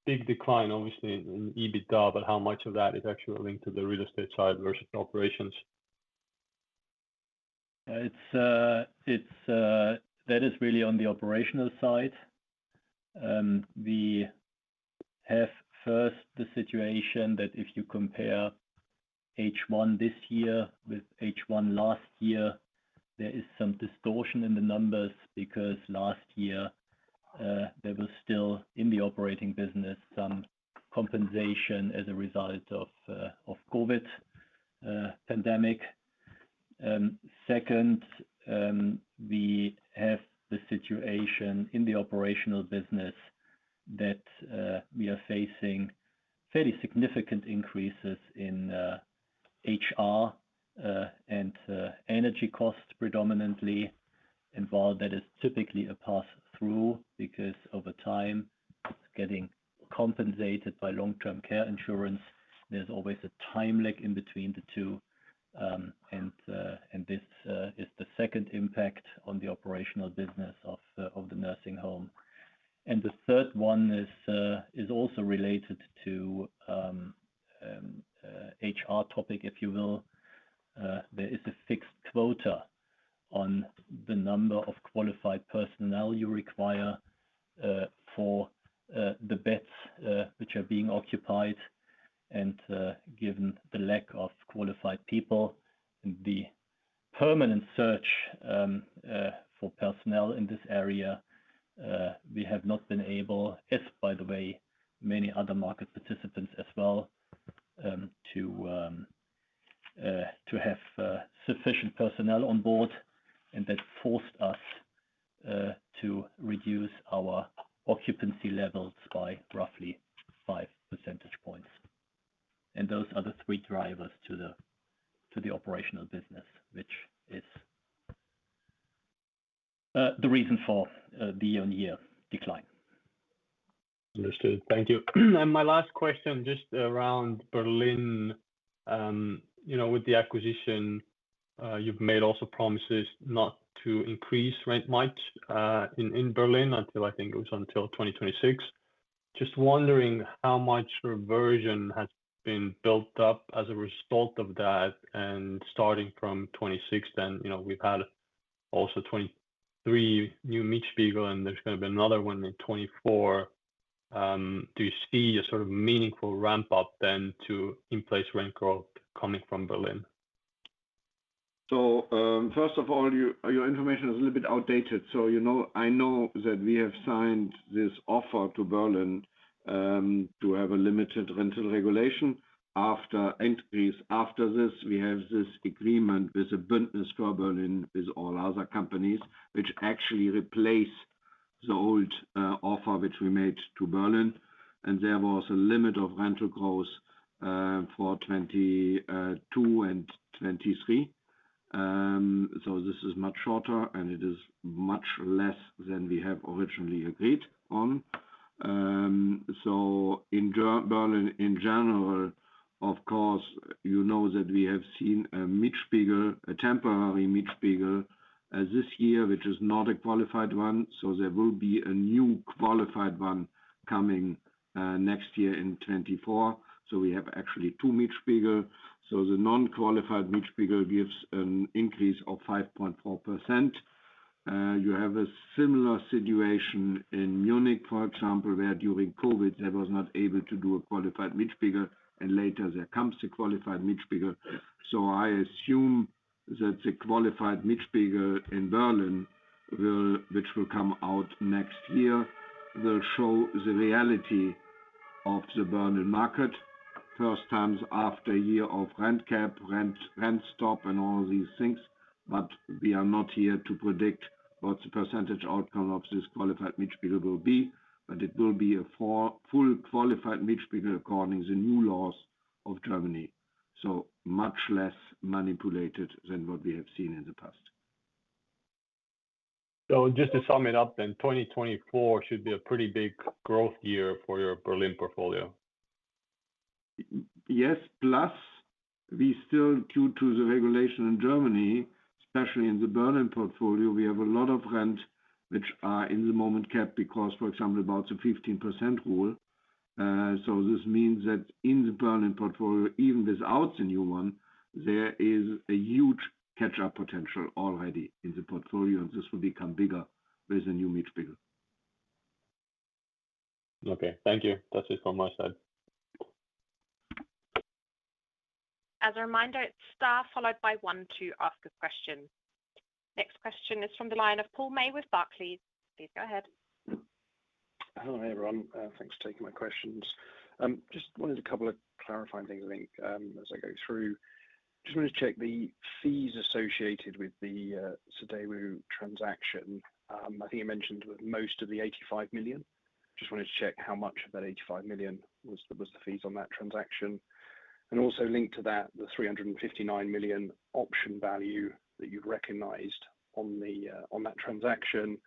big decline, obviously, in EBITDA, but how much of that is actually linked to the real estate side versus operations? It's, it's... That is really on the operational side. We have first, the situation that if you compare H1 this year with H1 last year, there is some distortion in the numbers, because last year, there was still, in the operating business, some compensation as a result of COVID pandemic. Second, we have the situation in the operational business that we are facing fairly significant increases in HR and energy costs predominantly involved. That is typically a pass-through because over time, getting compensated by long-term care insurance, there's always a time lag in between the two. This is the second impact on the operational business of the nursing home. The third one is also related to HR topic, if you will. There is a fixed quota on the number of qualified personnel you require for the beds which are being occupied. Given the lack of qualified people and the permanent search for personnel in this area, we have not been able, as by the way, many other market participants as well, to have sufficient personnel on board. That forced us to reduce our occupancy levels by roughly 5 percentage points. Those are the 3 drivers to the operational business, which is the reason for the year-on-year decline. Understood. Thank you. My last question, just around Berlin. With the acquisition, you've made also promises not to increase rent much in Berlin until, I think it was until 2026. Just wondering how much reversion has been built up as a result of that, and starting from 2026, then, we've had also 23 new Mietspiegel, and there's gonna be another one in 2024. Do you see a sort of meaningful ramp-up then to in-place rent growth coming from Berlin? First of all, your information is a little bit outdated. You know, I know that we have signed this offer to Berlin to have a limited rental regulation. After increase, after this, we have this agreement with the Bündnis für Berlin, with all other companies, which actually replace- the old offer which we made to Berlin, and there was a limit of rental growth for 2022 and 2023. This is much shorter, and it is much less than we have originally agreed on. In Berlin, in general, of course, you know that we have seen a Mietspiegel, a temporary Mietspiegel, as this year, which is not a qualified one. There will be a new qualified one coming next year in 2024. We have actually two Mietspiegel. The non-qualified Mietspiegel gives an increase of 5.4%. You have a similar situation in Munich, for example, where during COVID, there was not able to do a qualified Mietspiegel, and later there comes the qualified Mietspiegel. I assume that the qualified Mietspiegel in Berlin will, which will come out next year, will show the reality of the Berlin market. First times after a year of rent cap, rent, rent stop and all these things, but we are not here to predict what the percentage outcome of this qualified Mietspiegel will be, but it will be a full qualified Mietspiegel according to the new laws of Germany. Much less manipulated than what we have seen in the past. Just to sum it up then, 2024 should be a pretty big growth year for your Berlin portfolio? Yes, plus we still, due to the regulation in Germany, especially in the Berlin portfolio, we have a lot of rent which are in the moment capped because, for example, about the 15% rule. This means that in the Berlin portfolio, even without the new one, there is a huge catch-up potential already in the portfolio, and this will become bigger with the new Mietspiegel. Okay, thank you. That's it from my side. As a reminder, it's star followed by one to ask a question. Next question is from the line of Paul May with Barclays. Please go ahead. Hello, everyone. Thanks for taking my questions. Just wanted a couple of clarifying things, Link, as I go through. Just wanted to check the fees associated with the Südewo transaction. I think you mentioned most of the 85 million. Just wanted to check how much of that 85 million was, was the fees on that transaction. Also linked to that, the 359 million option value that you'd recognized on the on that transaction.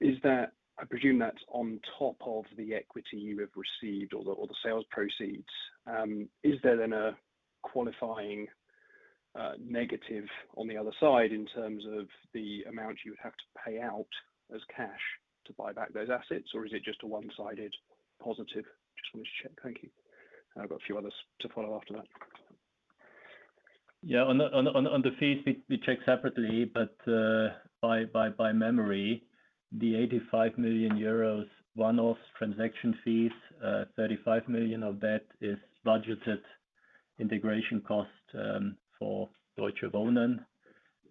Is that... I presume that's on top of the equity you have received or the, or the sales proceeds. Is there then a qualifying negative on the other side in terms of the amount you would have to pay out as cash to buy back those assets, or is it just a one-sided positive? Just wanted to check. Thank you. I've got a few others to follow after that. Yeah. On the, on the fees, we, we checked separately, but by memory, the 85 million euros one-off transaction fees, 35 million of that is budgeted integration cost for Deutsche Wohnen.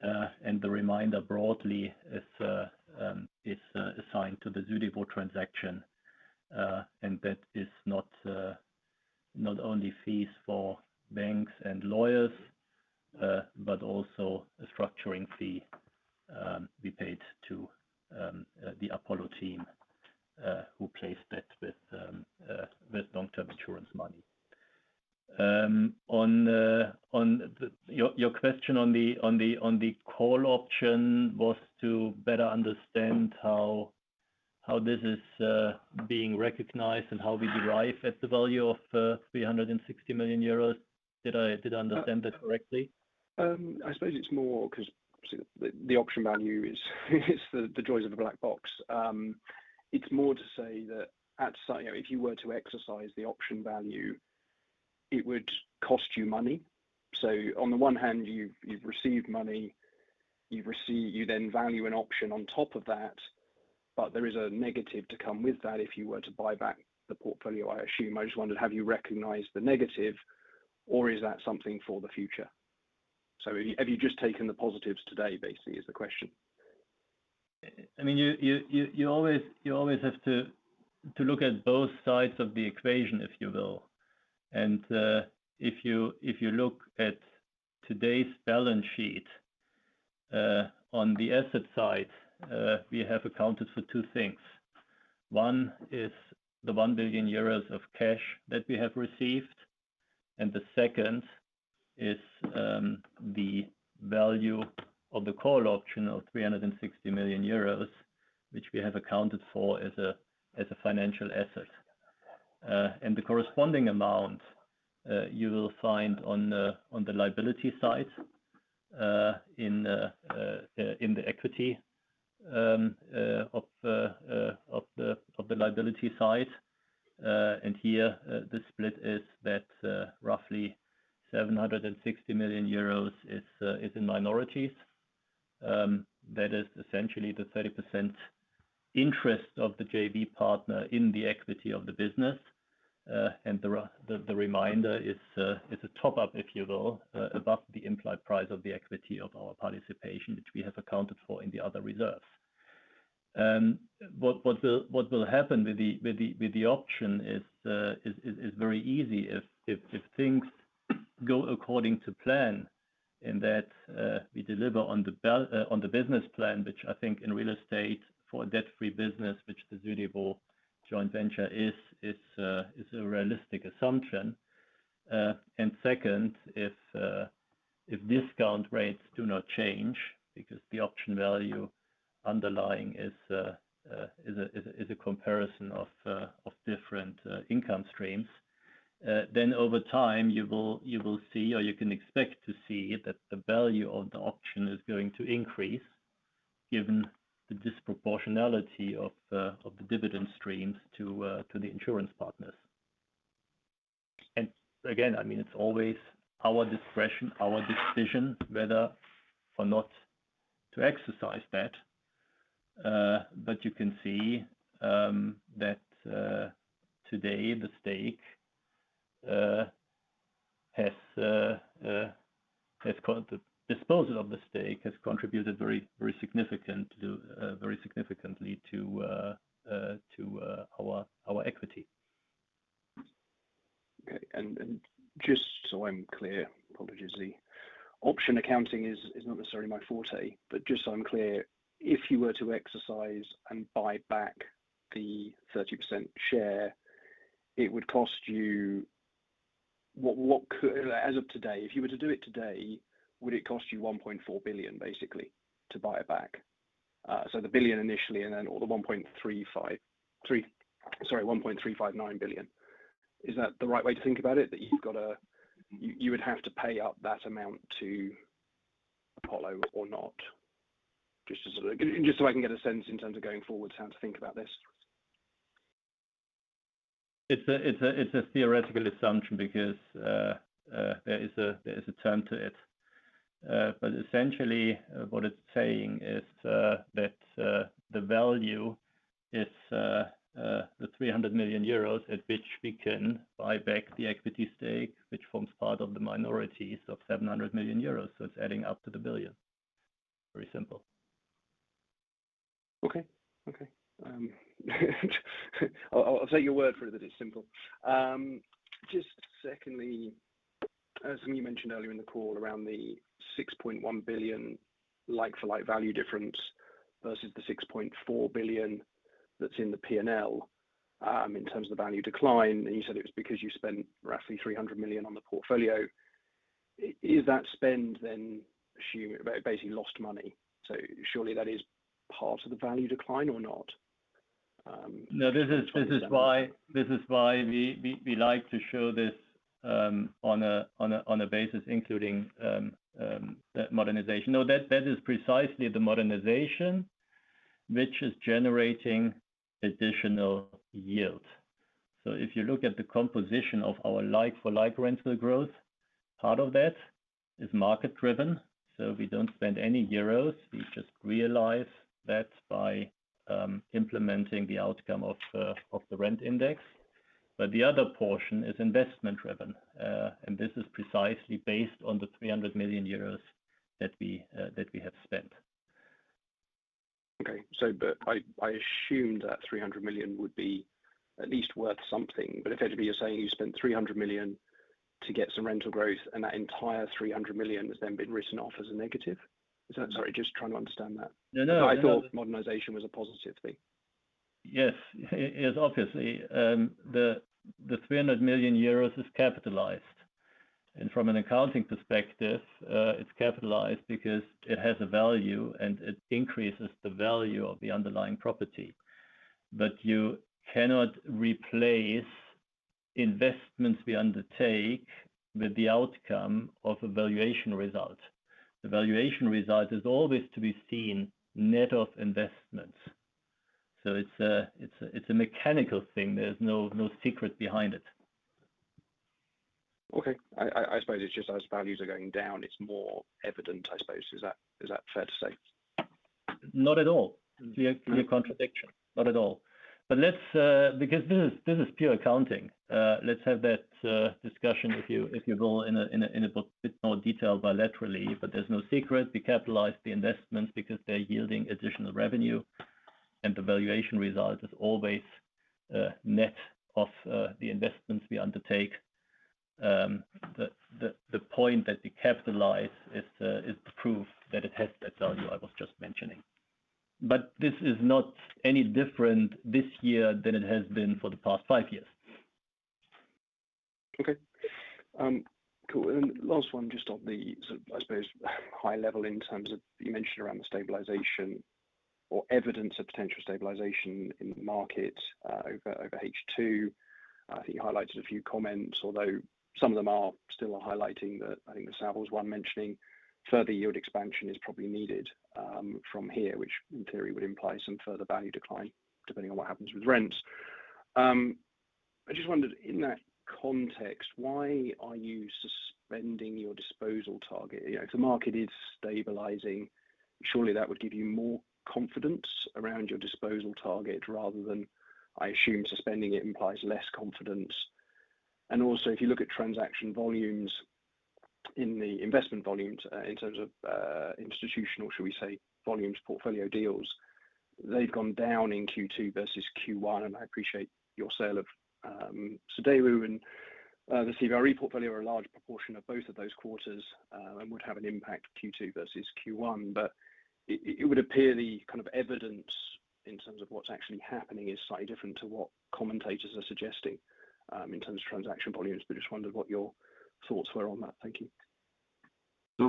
The remainder broadly is assigned to the Südewo transaction. That is not only fees for banks and lawyers, but also a structuring fee we paid to the Apollo team, who placed that with long-term insurance money. On the... Your question on the call option was to better understand how this is being recognized and how we derive at the value of 360 million euros. Did I understand that correctly? I suppose it's more 'cause the, the option value is, is the, the joys of the black box. It's more to say that you know, if you were to exercise the option value, it would cost you money. On the one hand, you've received money, you then value an option on top of that, but there is a negative to come with that if you were to buy back the portfolio, I assume. I just wondered, have you recognized the negative, or is that something for the future? Have you, have you just taken the positives today, basically, is the question. I mean, you, you, you, you always, you always have to look at both sides of the equation, if you will. If you, if you look at today's balance sheet, on the asset side, we have accounted for two things. One is the 1 billion euros of cash that we have received, and the second is the value of the call option of 360 million euros, which we have accounted for as a financial asset. The corresponding amount, you will find on the liability side, in the equity of the liability side. Here, the split is that roughly 760 million euros is in minorities. That is essentially the 30% interest of the JV partner in the equity of the business. The remainder is a top-up, if you will, above the implied price of the equity of our participation, which we have accounted for in the other reserves. What will happen with the option is very easy. If things go according to plan in that we deliver on the business plan, which I think in real estate for a debt-free business, which the Züriwel joint venture is, is a realistic assumption. Second, if discount rates do not change because the option value underlying is a comparison of different income streams, then over time, you will, you will see or you can expect to see that the value of the option is going to increase given the disproportionality of the dividend streams to the insurance partners. Again, I mean, it's always our discretion, our decision, whether or not to exercise that. You can see that today, the stake, the disposal of the stake has contributed very, very significant to very significantly to our equity. Okay. just so I'm clear, apologies, the option accounting is, is not necessarily my forte, but just so I'm clear, if you were to exercise and buy back the 30% share, it would cost you... What, as of today, if you were to do it today, would it cost you 1.4 billion, basically, to buy it back? So the 1 billion initially and then, or the 1.35, sorry, 1.359 billion. Is that the right way to think about it, that you would have to pay up that amount to Apollo or not? Just to sort of... Just so I can get a sense in terms of going forward, how to think about this. It's a, it's a, it's a theoretical assumption because there is a, there is a term to it. Essentially, what it's saying is that the value is the 300 million euros at which we can buy back the equity stake, which forms part of the minorities of 700 million euros. It's adding up to 1 billion. Very simple. Okay. Okay. I'll, I'll take your word for it that it's simple. Just secondly, as you mentioned earlier in the call around the 6.1 billion like-for-like value difference versus the 6.4 billion that's in the P&L, in terms of the value decline, and you said it was because you spent roughly 300 million on the portfolio. I-is that spend then assume, basically lost money? So surely that is part of the value decline or not? No, this is, this is why, this is why we, we, we like to show this on a, on a, on a basis including that modernization. No, that, that is precisely the modernization, which is generating additional yield. If you look at the composition of our like-for-like rental growth, part of that is market-driven, so we don't spend any euros. We just realize that by implementing the outcome of the rent index. The other portion is investment-driven, and this is precisely based on the 300 million euros that we have spent. Okay. I, I assumed that 300 million would be at least worth something. Effectively, you're saying you spent 300 million to get some rental growth, and that entire 300 million has then been written off as a negative? Is that? Sorry, just trying to understand that. No, no. I thought modernization was a positive thing. Yes. Yes, obviously, the, the 300 million euros is capitalized. From an accounting perspective, it's capitalized because it has a value, and it increases the value of the underlying property. You cannot replace investments we undertake with the outcome of a valuation result. The valuation result is always to be seen net of investments. It's a, it's a, it's a mechanical thing. There's no, no secret behind it. Okay. I, I, I suppose it's just as values are going down, it's more evident, I suppose. Is that, is that fair to say? Not at all. It's a contradiction. Not at all. Let's, because this is, this is pure accounting, let's have that discussion if you, if you will, in a, in a, in a bit more detail bilaterally, but there's no secret. We capitalize the investments because they're yielding additional revenue, and the valuation result is always net of the investments we undertake. The, the, the point that we capitalize is the, is the proof that it has that value I was just mentioning. This is not any different this year than it has been for the past 5 years. Okay. Cool. Last one, just on the, I suppose, high level in terms of, you mentioned around the stabilization or evidence of potential stabilization in the market, over H2. I think you highlighted a few comments, although some of them are still highlighting that, I think the Savills one mentioning, further yield expansion is probably needed from here, which in theory would imply some further value decline, depending on what happens with rent. I just wondered, in that context, why are you suspending your disposal target? You know, if the market is stabilizing, surely that would give you more confidence around your disposal target rather than, I assume, suspending it implies less confidence. Also, if you look at transaction volumes in the investment volumes, in terms of institutional, should we say, volumes, portfolio deals-... They've gone down in Q2 versus Q1. I appreciate your sale of Südewo and the CBRE portfolio are a large proportion of both of those quarters, and would have an impact Q2 versus Q1. It, it would appear the kind of evidence in terms of what's actually happening is slightly different to what commentators are suggesting, in terms of transaction volumes. Just wondered what your thoughts were on that. Thank you.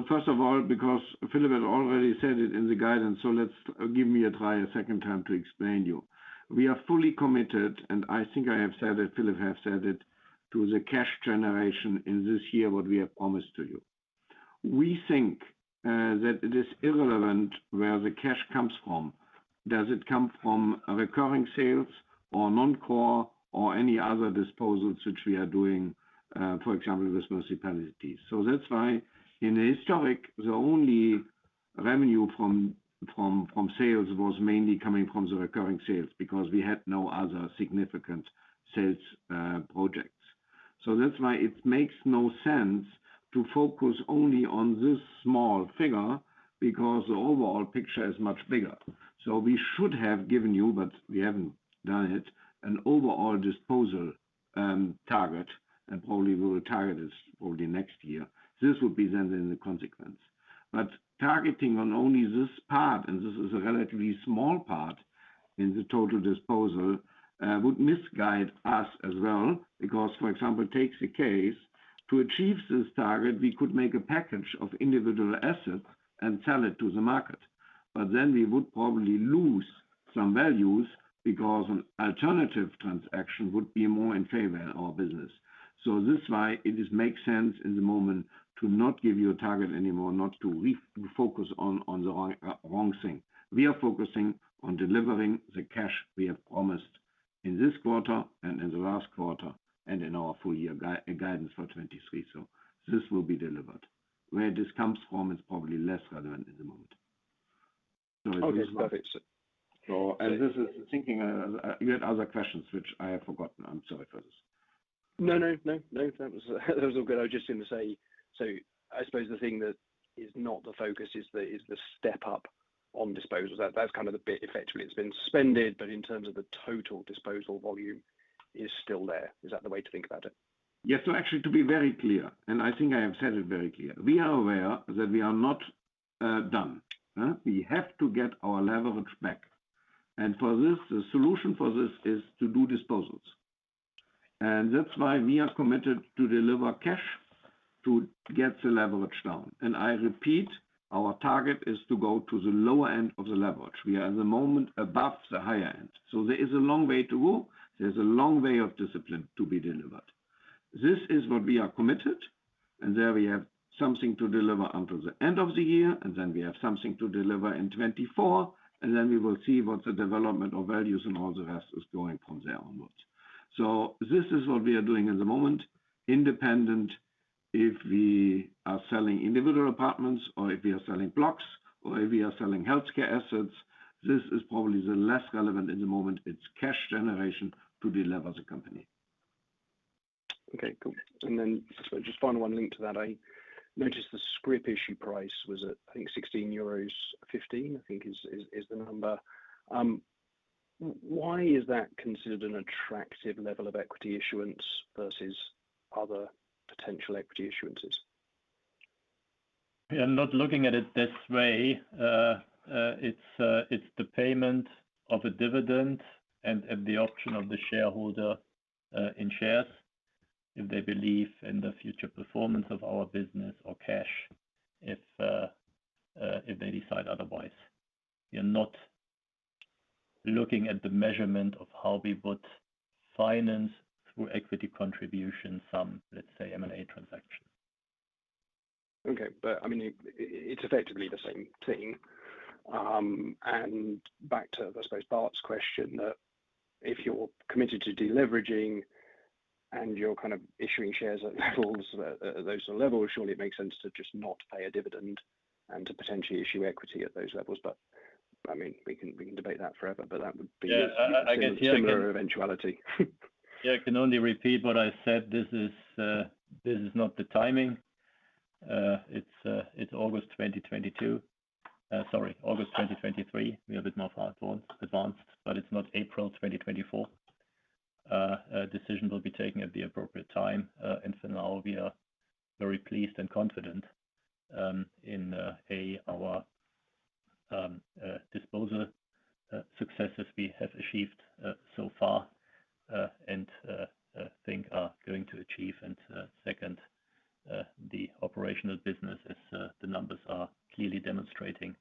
First of all, because Philip had already said it in the guidance, let's give me a try a second time to explain you. We are fully committed, and I think I have said it, Philip have said it, to the cash generation in this year, what we have promised to you. We think that it is irrelevant where the cash comes from. Does it come from Recurring Sales or non-core or any other disposals which we are doing, for example, with municipalities? That's why in the historic, the only revenue from sales was mainly coming from the Recurring Sales because we had no other significant sales projects. That's why it makes no sense to focus only on this small figure, because the overall picture is much bigger. We should have given you, but we haven't done it, an overall disposal, target, and probably we will target this probably next year. This would be then in the consequence. Targeting on only this part, and this is a relatively small part in the total disposal, would misguide us as well, because, for example, take the case, to achieve this target, we could make a package of individual assets and sell it to the market. Then we would probably lose some values because an alternative transaction would be more in favor in our business. That's why it just makes sense in the moment to not give you a target anymore, not to re-focus on, on the wrong, wrong thing. We are focusing on delivering the cash we have promised in this quarter and in the last quarter and in our full year guidance for 2023. This will be delivered. Where this comes from is probably less relevant at the moment. Okay, perfect. And this is thinking, you had other questions, which I have forgotten. I'm sorry for this. No, no, no, no. That was, that was all good. I was just going to say, I suppose the thing that is not the focus is the, is the step up on disposals. That, that's kind of the bit. Effectively, it's been suspended, but in terms of the total disposal volume is still there. Is that the way to think about it? Yeah. Actually, to be very clear, and I think I have said it very clear, we are aware that we are not done. Huh. We have to get our leverage back. For this, the solution for this is to do disposals. That's why we are committed to deliver cash to get the leverage down. I repeat, our target is to go to the lower end of the leverage. We are at the moment above the higher end, so there is a long way to go. There's a long way of discipline to be delivered. This is what we are committed, and there we have something to deliver until the end of the year, and then we have something to deliver in 2024, and then we will see what the development of values and all the rest is going from there onwards. This is what we are doing in the moment, independent if we are selling individual apartments or if we are selling blocks or if we are selling healthcare assets, this is probably the less relevant in the moment. It's cash generation to delever the company. Okay, cool. Then just final one linked to that. I noticed the scrip issue price was at, I think, 16.15 euros, I think is the number. Why is that considered an attractive level of equity issuance versus other potential equity issuances? We are not looking at it this way. It's the payment of a dividend and the option of the shareholder in shares, if they believe in the future performance of our business or cash, if they decide otherwise. You're not looking at the measurement of how we would finance through equity contribution, some, let's say, M&A transaction. Okay. I mean, it, it's effectively the same thing. Back to, I suppose, Bart's question, that if you're committed to deleveraging and you're kind of issuing shares at levels, those levels, surely it makes sense to just not pay a dividend and to potentially issue equity at those levels. I mean, we can, we can debate that forever, but that would be. Yeah, I can hear. similar eventuality. Yeah, I can only repeat what I said. This is, this is not the timing. It's, it's August 2022, sorry, August 2023. We are a bit more advanced, advanced, but it's not April 2024. A decision will be taken at the appropriate time. For now, we are very pleased and confident in a, our disposal successes we have achieved so far and I think are going to achieve. Second, the operational business as the numbers are clearly demonstrating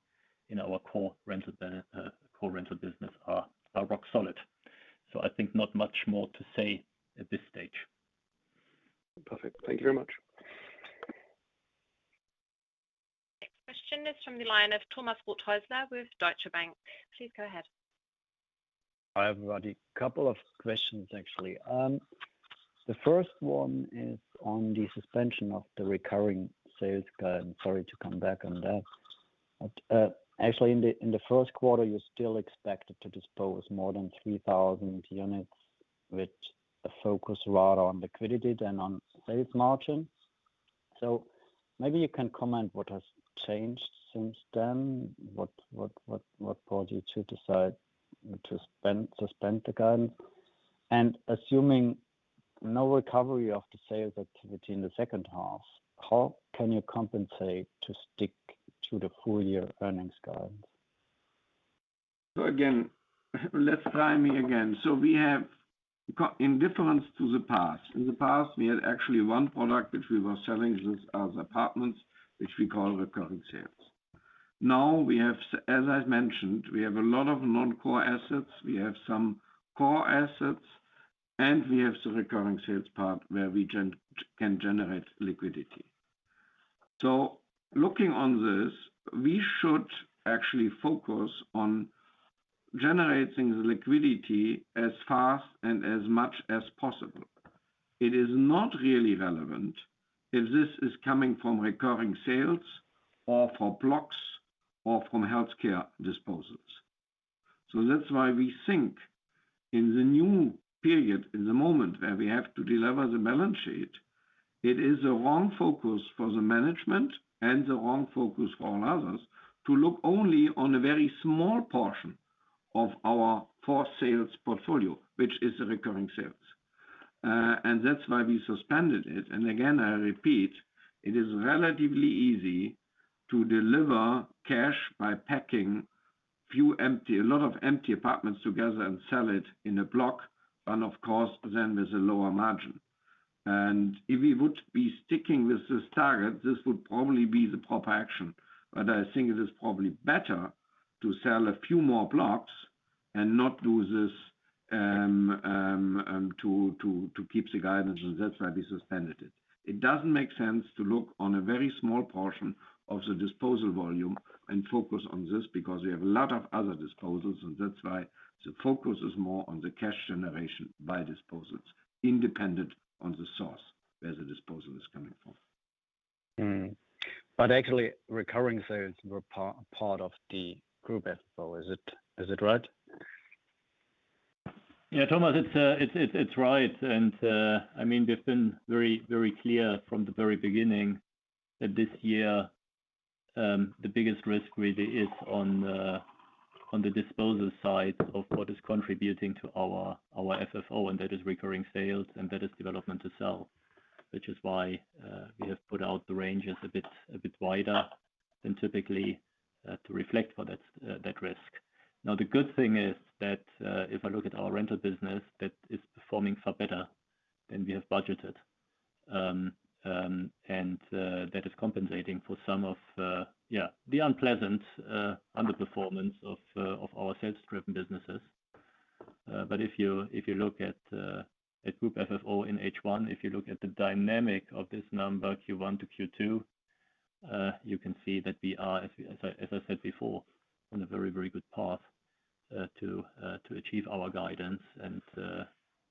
in our core rental business are, are rock solid. I think not much more to say at this stage. Perfect. Thank you very much. Next question is from the line of Thomas Rothaeusler with Deutsche Bank. Please go ahead. Hi, everybody. A couple of questions, actually. The first one is on the suspension of the Recurring Sales guide. Sorry to come back on that. Actually, in the first quarter, you still expected to dispose more than 3,000 units, which focus rather on liquidity than on sales margin. Maybe you can comment what has changed since then? What caused you to decide to suspend the guidance? Assuming no recovery of the sales activity in the second half, how can you compensate to stick to the full year earnings guidance? Again, let's try me again. We have in difference to the past, in the past, we had actually one product, which we were selling this as apartments, which we call Recurring Sales. Now we have as I've mentioned, we have a lot of non-core assets, we have some core assets, and we have the Recurring Sales part where we can generate liquidity. Looking on this, we should actually focus on generating the liquidity as fast and as much as possible. It is not really relevant if this is coming from Recurring Sales or from blocks or from healthcare disposals. That's why we think in the new period, in the moment where we have to deliver the balance sheet, it is the wrong focus for the management and the wrong focus for all others, to look only on a very small portion of our for sales portfolio, which is the recurring sales. That's why we suspended it. Again, I repeat, it is relatively easy to deliver cash by packing few empty-- a lot of empty apartments together and sell it in a block. Of course, then there's a lower margin. If we would be sticking with this target, this would probably be the proper action. I think it is probably better to sell a few more blocks and not do this to keep the guidance, and that's why we suspended it. It doesn't make sense to look on a very small portion of the disposal volume and focus on this, because we have a lot of other disposals, and that's why the focus is more on the cash generation by disposals, independent on the source where the disposal is coming from. Hmm. Actually, Recurring Sales were part of the Group FFO, is it, is it right? Yeah, Thomas, it's, it's right. I mean, they've been very, very clear from the very beginning that this year, the biggest risk really is on the, on the disposal side of what is contributing to our, our FFO, and that is Recurring Sales, and that is Development to Sell. Which is why, we have put out the ranges a bit, a bit wider than typically, to reflect for that, that risk. The good thing is that, if I look at our rental business, that is performing far better than we have budgeted. And, that is compensating for some of, yeah, the unpleasant, underperformance of, of our sales-driven businesses. If you, if you look at Group FFO in H1, if you look at the dynamic of this number, Q1 to Q2, you can see that we are, as I, as I said before, on a very, very good path to achieve our guidance.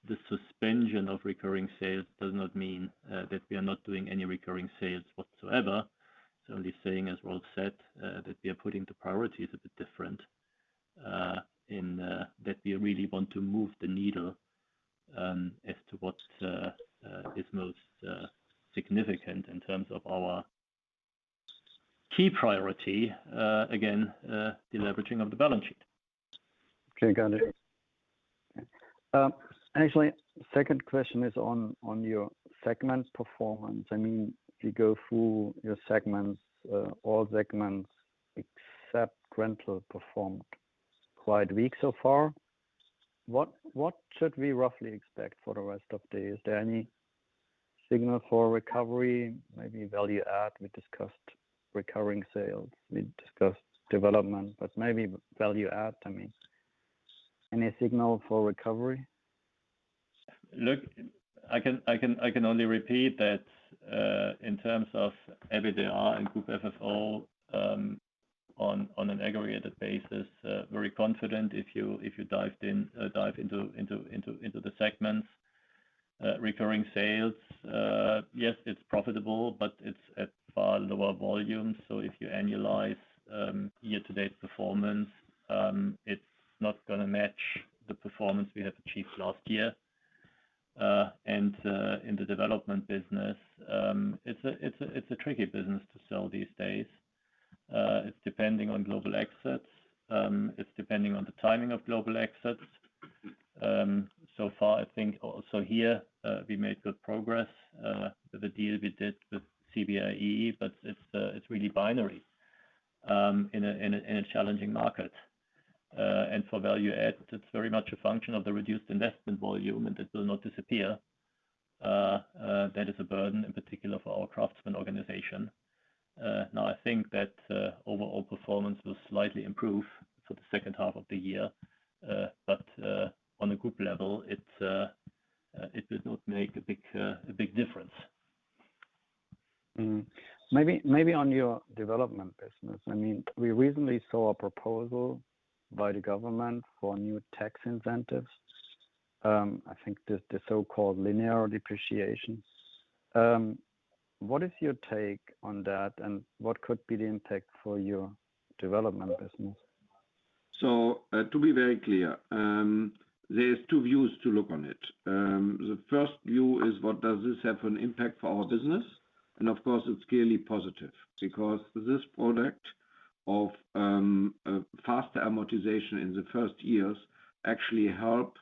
The suspension of Recurring Sales does not mean that we are not doing any Recurring Sales whatsoever. It's only saying, as Rolf said, that we are putting the priorities a bit different in that we really want to move the needle as to what is most significant in terms of our key priority again, deleveraging of the balance sheet. Okay, got it. Actually, second question is on, on your segment performance. I mean, if you go through your segments, all segments except rental performed quite weak so far. What, what should we roughly expect for the rest of the year? Is there any signal for recovery? Maybe Value-add? We discussed Recurring Sales, we discussed Development, but maybe Value-add, I mean, any signal for recovery? Look, I can only repeat that in terms of EBITDA and Group FFO, on an aggregated basis, very confident if you dived in, dive into the segments. Recurring sales, yes, it's profitable, but it's at far lower volume. If you annualize year-to-date performance, it's not gonna match the performance we have achieved last year. And in the development business, it's a tricky business to sell these days. It's depending on global exits, it's depending on the timing of global exits. So far, I think also here, we made good progress with the deal we did with CBRE, but it's really binary in a challenging market. For Value-add, it's very much a function of the reduced investment volume, and it will not disappear. That is a burden, in particular for our craftsman organization. Now, I think that overall performance will slightly improve for the second half of the year. On a group level, it will not make a big difference. Maybe, maybe on your development business, I mean, we recently saw a proposal by the government for new tax incentives. I think the, the so-called linear depreciation. What is your take on that, and what could be the impact for your development business? To be very clear, there's 2 views to look on it. The first view is what does this have an impact for our business? Of course, it's clearly positive because this product of, faster amortization in the first years actually help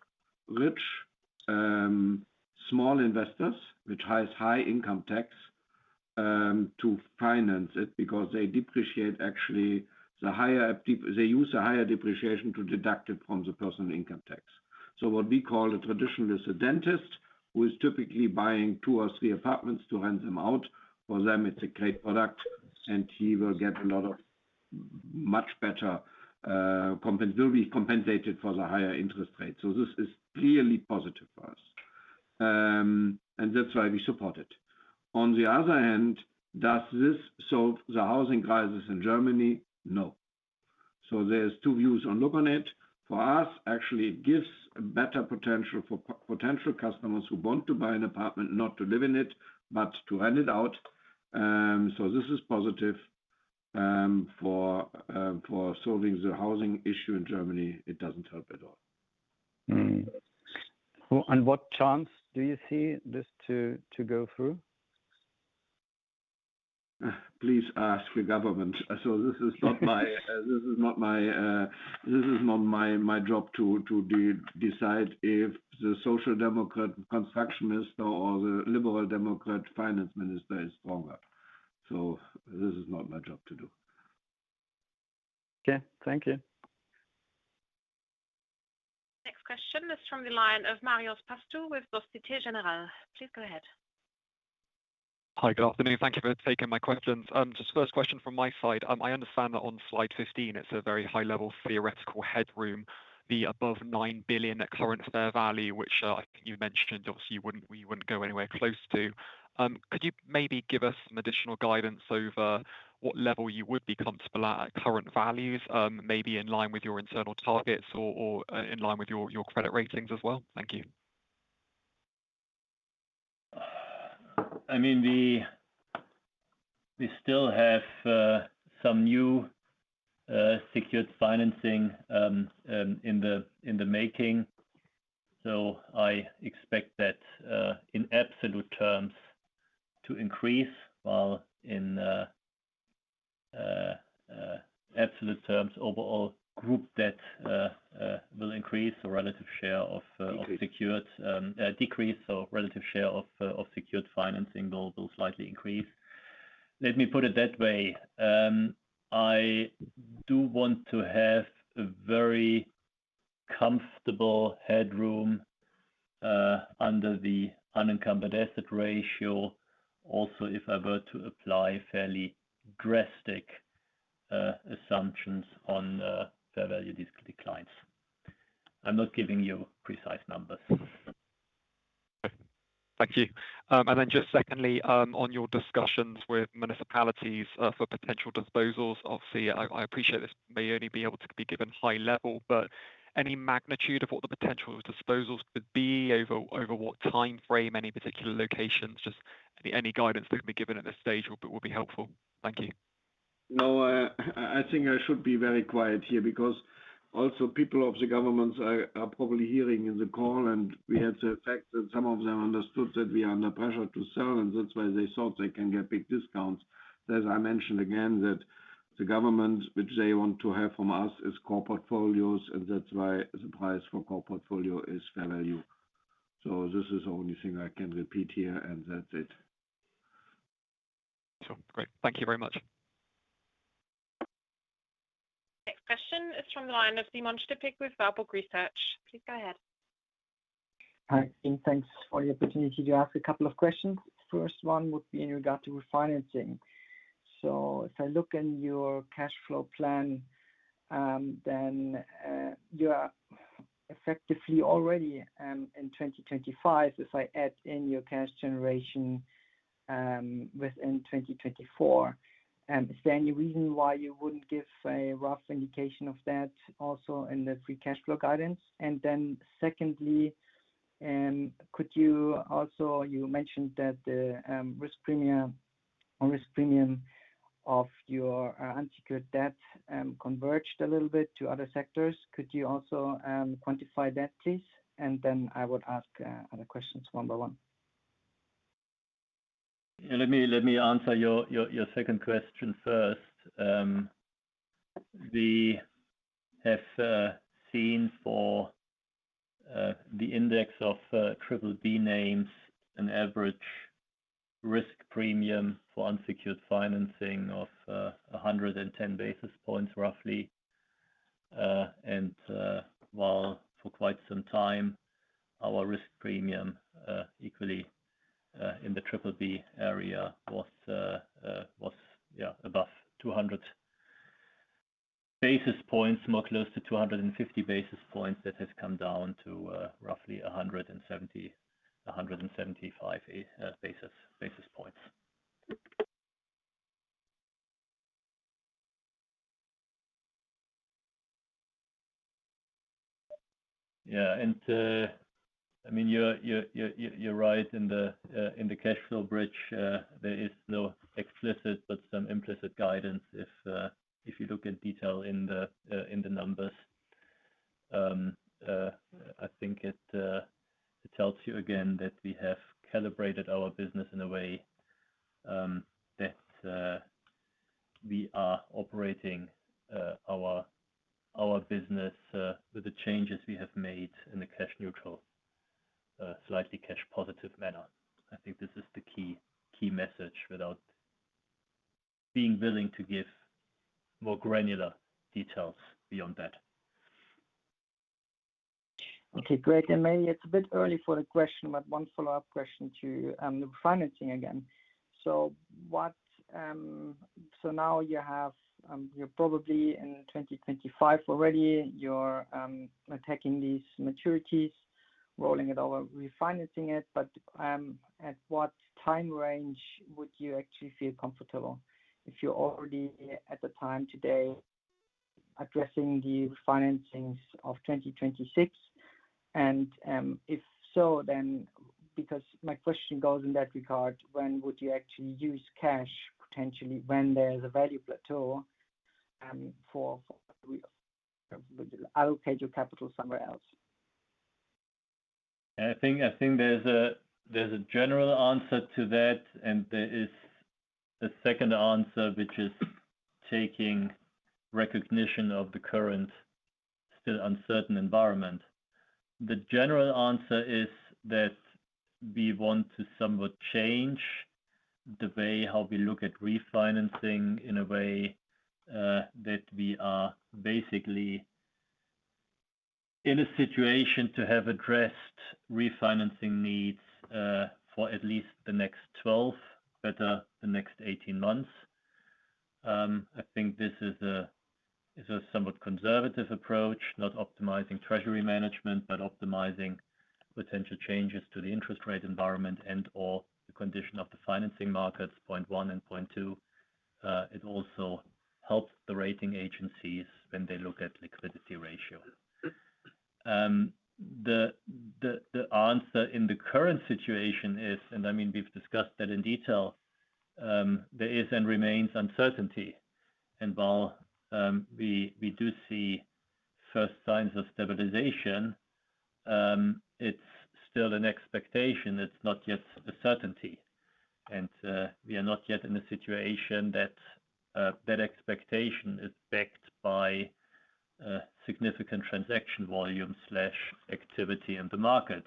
rich, small investors, which has high income tax, to finance it because they depreciate actually the higher depreciation to deduct it from the personal income tax. What we call a traditional is a dentist who is typically buying 2 or 3 apartments to rent them out. For them, it's a great product, and he will get a lot of much better, will be compensated for the higher interest rate. This is clearly positive for us. That's why we support it. Does this solve the housing crisis in Germany? No. There's two views on look on it. For us, actually, it gives a better potential for potential customers who want to buy an apartment, not to live in it, but to rent it out. This is positive. For solving the housing issue in Germany, it doesn't help at all. Well, what chance do you see this to, to go through? Please ask the government. This is not my, this is not my, my job to decide if the Social Democrat Construction Minister or the Liberal Democrat Finance Minister is stronger. This is not my job to do. Okay. Thank you. Next question is from the line of Marios Pastou with Société Générale. Please go ahead. Hi, good afternoon. Thank you for taking my questions. Just first question from my side. I understand that on slide 15, it's a very high level theoretical headroom, the above 9 billion current fair value, which, I think you mentioned, obviously, you wouldn't, we wouldn't go anywhere close to. Could you maybe give us some additional guidance over what level you would be comfortable at, at current values, maybe in line with your internal targets or, or, in line with your, your credit ratings as well? Thank you. I mean, we, we still have some new secured financing in the making, so I expect that in absolute terms, to increase while in absolute terms, overall group debt will increase the relative share of- Decrease. of secured decrease, so relative share of secured financing will, will slightly increase. Let me put it that way, I do want to have a very comfortable headroom under the unencumbered asset ratio. Also, if I were to apply fairly drastic assumptions on the fair value declines. I'm not giving you precise numbers. Thank you. Then just secondly, on your discussions with municipalities, for potential disposals. Obviously, I appreciate this may only be able to be given high level, but any magnitude of what the potential disposals could be over, over what time frame, any particular locations, just any, any guidance that can be given at this stage will, will be helpful. Thank you. I, I think I should be very quiet here because also people of the government are, are probably hearing in the call, and we had the fact that some of them understood that we are under pressure to sell, and that's why they thought they can get big discounts. I mentioned again, that the government, which they want to have from us, is core portfolios, and that's why the price for core portfolio is fair value. This is the only thing I can repeat here, and that's it. Sure. Great. Thank you very much. Next question is from the line of Simon Stippig with Warburg Research. Please go ahead. Hi, and thanks for the opportunity to ask a couple of questions. First one would be in regard to refinancing. If I look in your cash flow plan, then you are effectively already in 2025, if I add in your cash generation, within 2024. Is there any reason why you wouldn't give a rough indication of that also in the free cash flow guidance? Then secondly, could you also... You mentioned that the risk premium or risk premium of your unsecured debt converged a little bit to other sectors. Could you also quantify that, please? Then I would ask other questions one by one. Let me, let me answer your, your, your second question first. We have seen for the index of triple B names, an average risk premium for unsecured financing of 110 basis points, roughly. While for quite some time, our risk premium equally in the triple B area was, was above 200 basis points, more close to 250 basis points. That has come down to roughly 170-175 basis points. I mean, you're, you're, you're, you're right in the cash flow bridge, there is no explicit but some implicit guidance if you look in detail in the numbers. I think it tells you again that we have calibrated our business in a way that we are operating our business with the changes we have made in the cash neutral, slightly cash positive manner. I think this is the key, key message without being willing to give more granular details beyond that. Okay, great. Maybe it's a bit early for the question, one follow-up question to the financing again. What now you have, you're probably in 2025 already, you're attacking these maturities, rolling it over, refinancing it. At what time range would you actually feel comfortable if you're already at the time today addressing the refinancings of 2026? If so, because my question goes in that regard, when would you actually use cash, potentially, when there is a value plateau, for, would you allocate your capital somewhere else? I think there's a general answer to that. There is a second answer, which is taking recognition of the current still uncertain environment. The general answer is that we want to somewhat change the way how we look at refinancing in a way that we are basically in a situation to have addressed refinancing needs for at least the next 12, better, the next 18 months. I think this is a somewhat conservative approach, not optimizing treasury management, but optimizing potential changes to the interest rate environment and or the condition of the financing markets, point 1 and point 2. It also helps the rating agencies when they look at liquidity ratio. The answer in the current situation is, I mean, we've discussed that in detail, there is and remains uncertainty. While we, we do see first signs of stabilization, it's still an expectation, it's not yet a certainty. We are not yet in a situation that that expectation is backed by a significant transaction volume/activity in the market.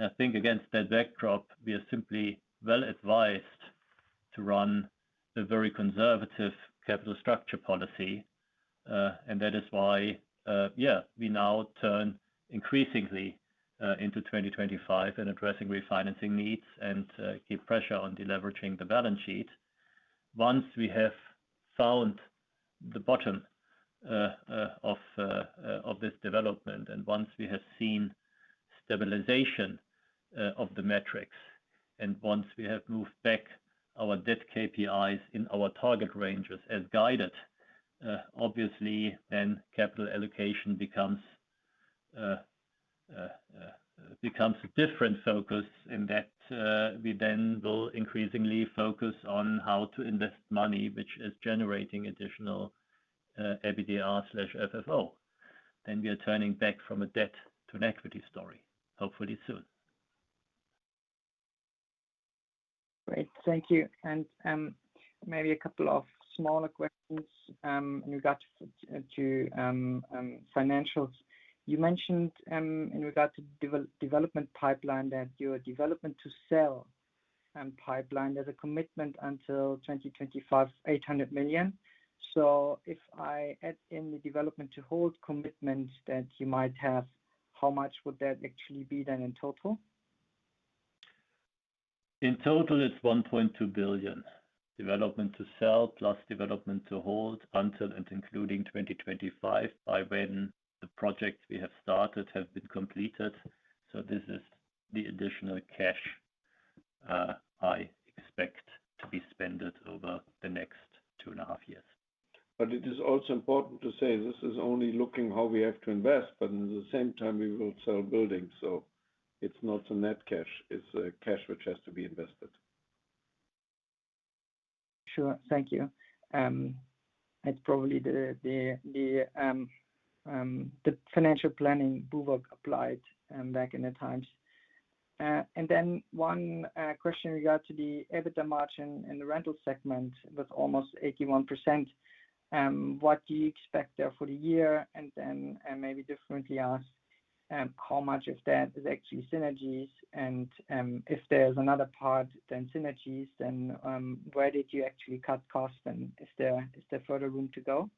I think against that backdrop, we are simply well advised to run a very conservative capital structure policy. That is why, yeah, we now turn increasingly into 2025 in addressing refinancing needs and keep pressure on deleveraging the balance sheet. Once we have found the bottom, of this development, and once we have seen stabilization, of the metrics, and once we have moved back our debt KPIs in our target ranges as guided, obviously, then capital allocation becomes a different focus in that, we then will increasingly focus on how to invest money, which is generating additional, EBITDA/FFO. We are turning back from a debt to an equity story, hopefully soon. Great, thank you. Maybe a couple of smaller questions in regards to financials. You mentioned in regard to development pipeline, that your Development to sell pipeline, there's a commitment until 2025, 800 million. If I add in the Development to hold commitment that you might have, how much would that actually be then in total? In total, it's 1.2 billion. Development to sell, plus Development to hold until and including 2025, by when the projects we have started have been completed. This is the additional cash I expect to be spended over the next 2.5 years. It is also important to say this is only looking how we have to invest, but at the same time, we will sell buildings. It's not a net cash, it's a cash which has to be invested. Sure. Thank you. It's probably the, the, the, the financial planning BUWOG applied back in the times. Then one question in regard to the EBITDA margin in the rental segment with almost 81%. What do you expect there for the year? Then, and maybe differently asked, how much of that is actually synergies? If there's another part than synergies, then where did you actually cut costs, and is there, is there further room to go?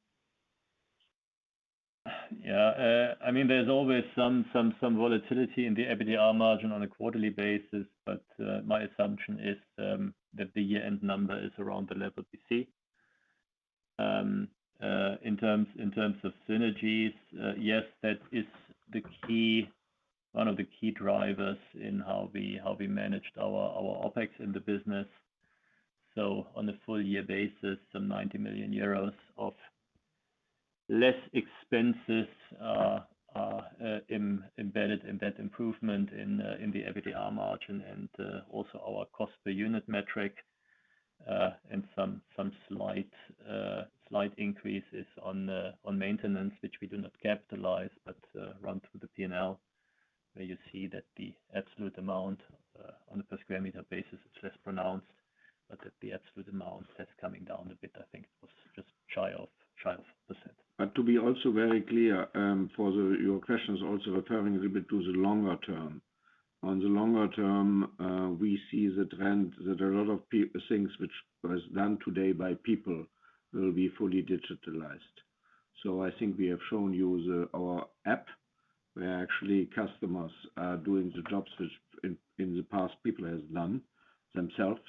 Yeah, I mean, there's always some, some, some volatility in the EBITDA margin on a quarterly basis, but my assumption is that the year-end number is around the level we see. In terms, in terms of synergies, yes, that is the key, one of the key drivers in how we, how we managed our OpEx in the business. On a full year basis, some 90 million euros of less expenses embedded in that improvement in the EBITDA margin and also our cost per unit metric. Some, some slight, slight increases on maintenance, which we do not capitalize, but run through the P&L, where you see that the absolute amount on a per square meter basis is less pronounced, but that the absolute amount that's coming down a bit, I think it was just shy of, shy of %. To be also very clear, your questions also returning a little bit to the longer term. On the longer term, we see the trend that a lot of things which was done today by people will be fully digitalized. I think we have shown you the, our app, where actually customers are doing the jobs which in, in the past, people has done themselves.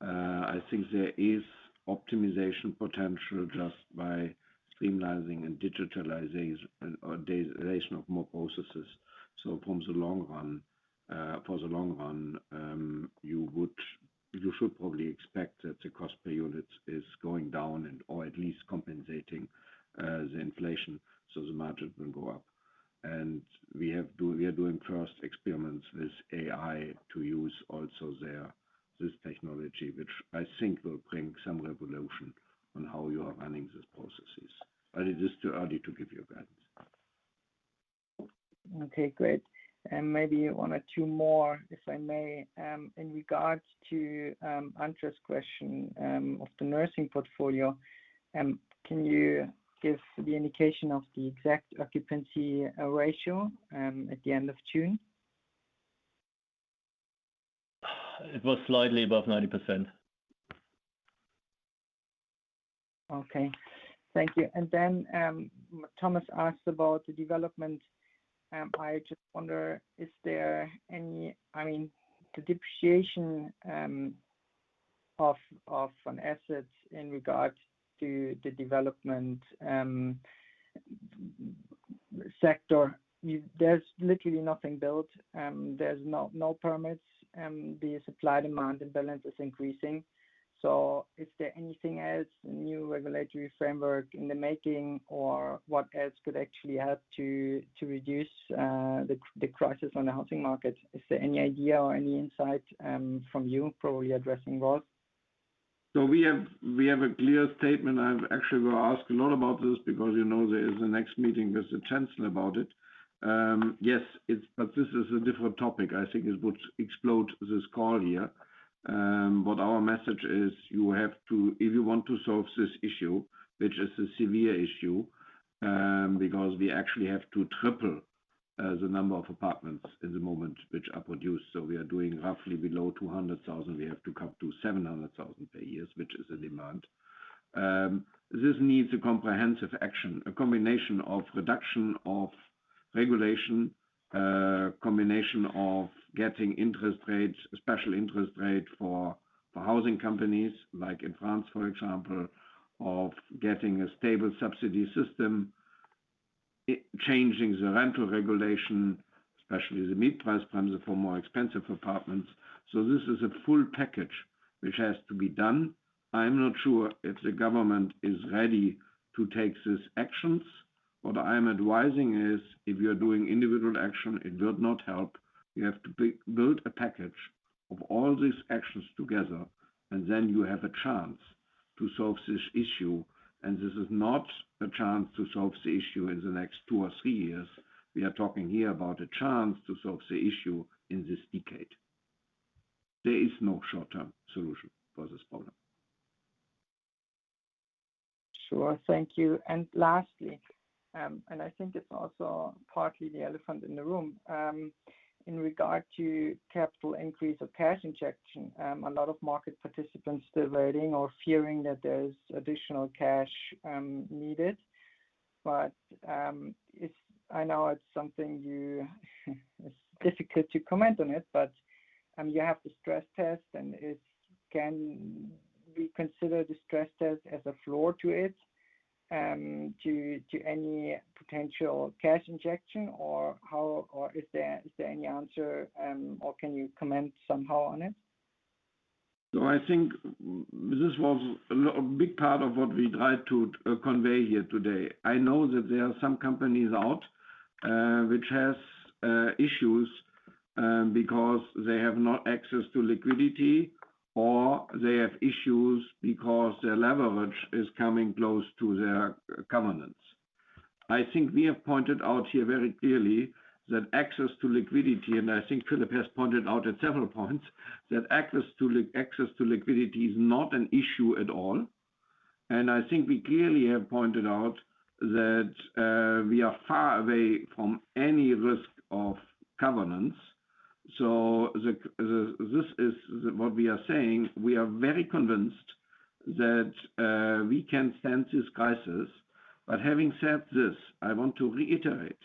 I think there is optimization potential just by streamlining and digitalization or -ization of more processes. From the long run, for the long run, you should probably expect that the cost per unit is going down and, or at least compensating the inflation, so the margin will go up. We are doing first experiments with AI to use also there, this technology, which I think will bring some revolution on how you are running these processes. It is too early to give you a guidance. Okay, great. Maybe 1 or 2 more, if I may. In regards to Andres' question, of the nursing portfolio, can you give the indication of the exact occupancy ratio at the end of June? It was slightly above 90%. Okay. Thank you. Then Thomas asked about the development, I just wonder, I mean, the depreciation of an asset in regards to the development sector, there's literally nothing built, there's no, no permits, the supply-demand imbalance is increasing. Is there anything else, new regulatory framework in the making, or what else could actually help to reduce the crisis on the housing market? Is there any idea or any insight from you probably addressing both? We have, we have a clear statement. I've actually been asked a lot about this because, you know, there is a next meeting with the chancellor about it. Yes, this is a different topic, I think it would explode this call here. Our message is you have to if you want to solve this issue, which is a severe issue, because we actually have to triple the number of apartments in the moment which are produced. We are doing roughly below 200,000. We have to come to 700,000 per year, which is the demand. This needs a comprehensive action, a combination of reduction of regulation, a combination of getting interest rates, special interest rate for, for housing companies, like in France, for example, of getting a stable subsidy system, changing the rental regulation, especially the mid-price plans for more expensive apartments. This is a full package which has to be done. I'm not sure if the government is ready to take these actions. What I am advising is, if you are doing individual action, it will not help. You have to build a package of all these actions together, and then you have a chance to solve this issue, and this is not a chance to solve the issue in the next 2 or 3 years. We are talking here about a chance to solve the issue in this decade. There is no short-term solution for this problem. Sure. Thank you. Lastly, and I think it's also partly the elephant in the room. In regard to capital increase or cash injection, a lot of market participants still waiting or fearing that there's additional cash needed. It's-- I know it's something you, it's difficult to comment on it, but you have the stress test, and it's-- can we consider the stress test as a floor to it, to any potential cash injection, or is there, is there any answer, or can you comment somehow on it? I think this was a big part of what we tried to convey here today. I know that there are some companies out which has issues because they have not access to liquidity, or they have issues because their leverage is coming close to their covenants. I think we have pointed out here very clearly that access to liquidity, and I think Philip has pointed out at several points, that access to liquidity is not an issue at all. I think we clearly have pointed out that we are far away from any risk of covenants. This is what we are saying: we are very convinced that we can stand this crisis. Having said this, I want to reiterate,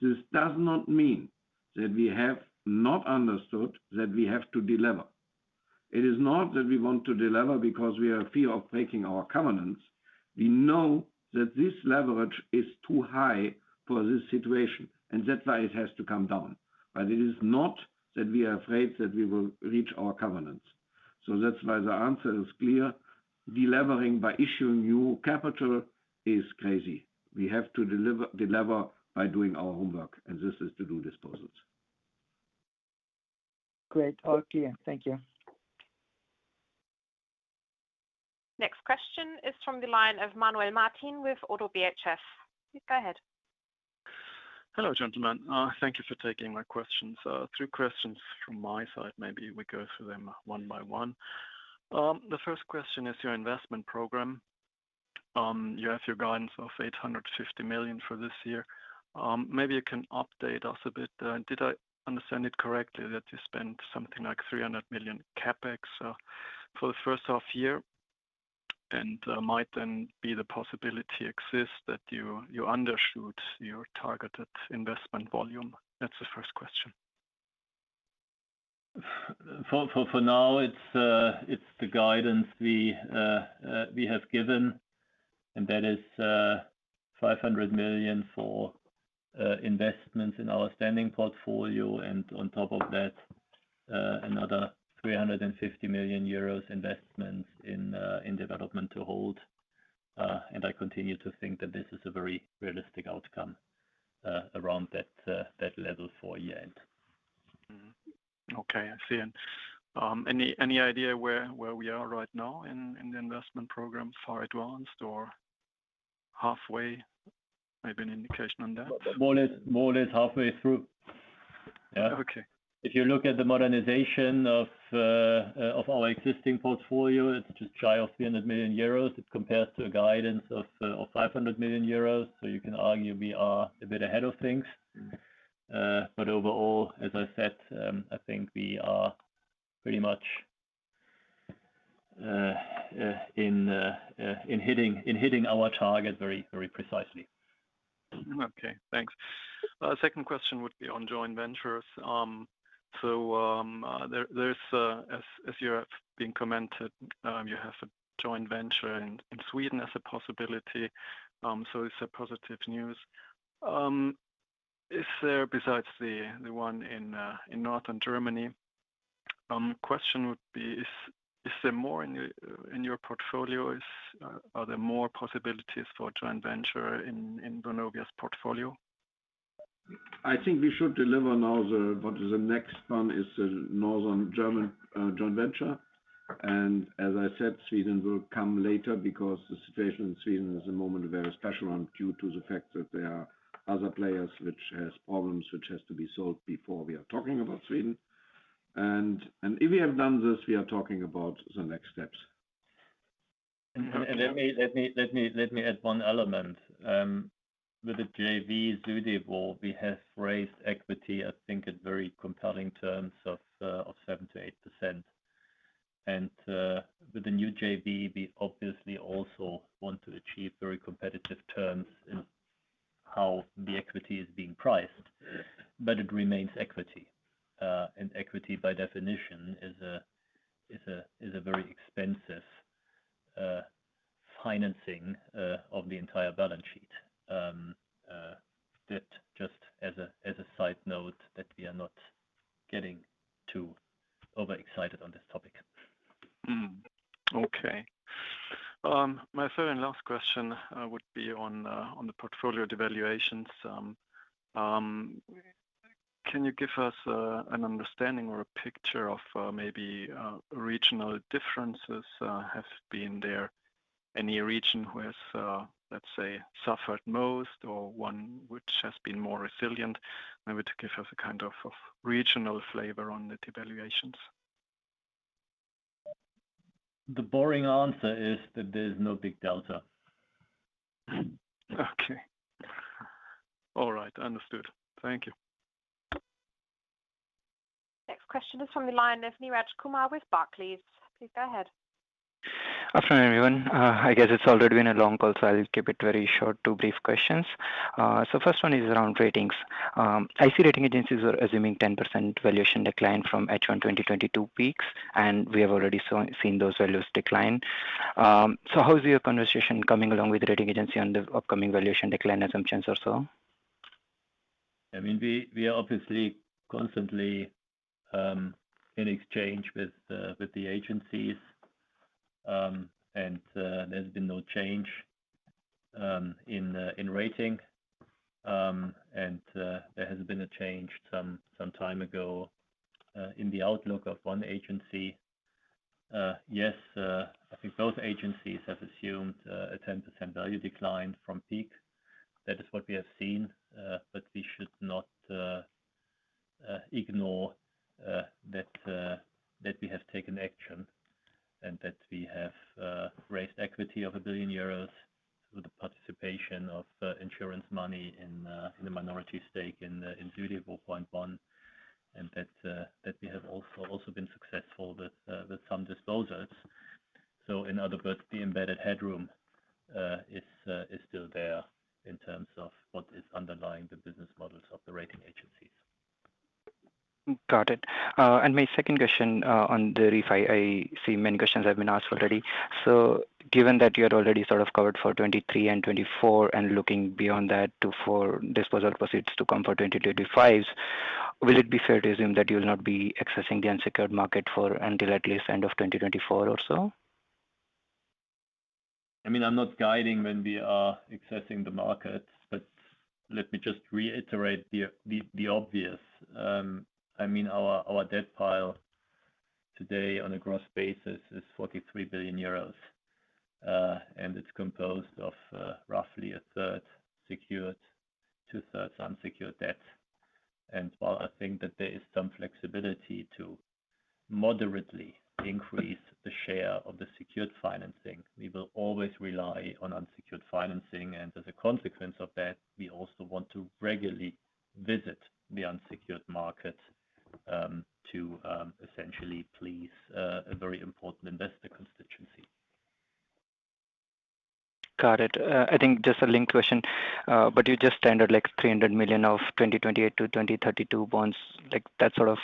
this does not mean that we have not understood that we have to deliver. It is not that we want to deliver because we are fear of breaking our covenants. We know that this leverage is too high for this situation, and that's why it has to come down. It is not that we are afraid that we will reach our covenants. That's why the answer is clear. Deleveraging by issuing new capital is crazy. We have to delever by doing our homework, and this is to do disposals. Great. All clear. Thank you. Next question is from the line of Manuel Martin with ODDO BHF. Please go ahead. Hello, gentlemen. Thank you for taking my questions. Three questions from my side. Maybe we go through them one by one. The first question is your investment program. You have your guidance of 850 million for this year. Maybe you can update us a bit. Did I understand it correctly that you spent something like 3 million CapEx for the first half year? Might then be the possibility exist that you, you undershoot your targeted investment volume? That's the first question. For, for, for now, it's, it's the guidance we, we have given, and that is, 500 million for investments in our standing portfolio. On top of that, 350 million euros investment in Development to hold. I continue to think that this is a very realistic outcome, around that level for year-end. Mm-hmm. Okay, I see. Any, any idea where, where we are right now in, in the investment program? Far advanced or halfway? Maybe an indication on that. More or less, more or less halfway through. Yeah. Okay. If you look at the modernization of our existing portfolio, it's just shy of 300 million euros as compared to a guidance of 500 million euros. You can argue we are a bit ahead of things. But overall, as I said, I think we are pretty much in hitting our target very, very precisely. Okay, thanks. Second question would be on joint ventures. There, there's, as, as you have been commented, you have a joint venture in Sweden as a possibility, it's a positive news. Is there, besides the, the one in Northern Germany, question would be, is, is there more in your, in your portfolio? Is, are there more possibilities for joint venture in, in Vonovia's portfolio? I think we should deliver now what is the next one is the Northern Germany joint venture. As I said, Sweden will come later because the situation in Sweden is a moment very special and due to the fact that there are other players which has problems, which has to be solved before we are talking about Sweden. And if we have done this, we are talking about the next steps. Let me, let me, let me, let me add one element. With the JV Südewo, we have raised equity, I think in very compelling terms of 7%-8%. With the new JV, we obviously also want to achieve very competitive terms in how the equity is being priced, but it remains equity. Equity by definition, is a, is a, is a very expensive financing of the entire balance sheet. That just as a, as a side note, that we are not getting too overexcited on this topic. Okay. My third and last question would be on the portfolio devaluations. Can you give us an understanding or a picture of maybe regional differences have been there? Any region who has, let's say, suffered most or one which has been more resilient, maybe to give us a kind of regional flavor on the devaluations? The boring answer is that there's no big delta. Okay. All right, understood. Thank you. Next question is from the line of Neeraj Kumar with Barclays. Please go ahead. Afternoon, everyone. I guess it's already been a long call, so I'll keep it very short. Two brief questions. First one is around ratings. I see rating agencies are assuming 10% valuation decline from H1 2022 peaks, and we have already seen those values decline. How is your conversation coming along with the rating agency on the upcoming valuation decline assumptions or so? I mean, we, we are obviously constantly in exchange with the agencies. There's been no change in rating. There has been a change some time ago in the outlook of one agency. Yes, I think both agencies have assumed a 10% value decline from peak. That is what we have seen, but we should not ignore that we have taken action and that we have raised equity of 1 billion euros through the participation of insurance money in a minority stake in Südewo, and that we have also, also been successful with some disposals. In other words, the embedded headroom, is, is still there in terms of what is underlying the business models of the rating agencies. ... Got it. My second question, on the refi, I see many questions have been asked already. Given that you had already sort of covered for 2023 and 2024, and looking beyond that to, for disposal proceeds to come for 2025s, will it be fair to assume that you will not be accessing the unsecured market for until at least end of 2024 or so? I mean, I'm not guiding when we are accessing the market, but let me just reiterate the, the, the obvious. I mean, our, our debt pile today on a gross basis is 43 billion euros, and it's composed of roughly 1/3 secured, 2/3 unsecured debt. While I think that there is some flexibility to moderately increase the share of the secured financing, we will always rely on unsecured financing, and as a consequence of that, we also want to regularly visit the unsecured market to essentially please a very important investor constituency. Got it. I think just a linked question, but you just tended like 300 million of 2028 to 2032 bonds. Like, that sort of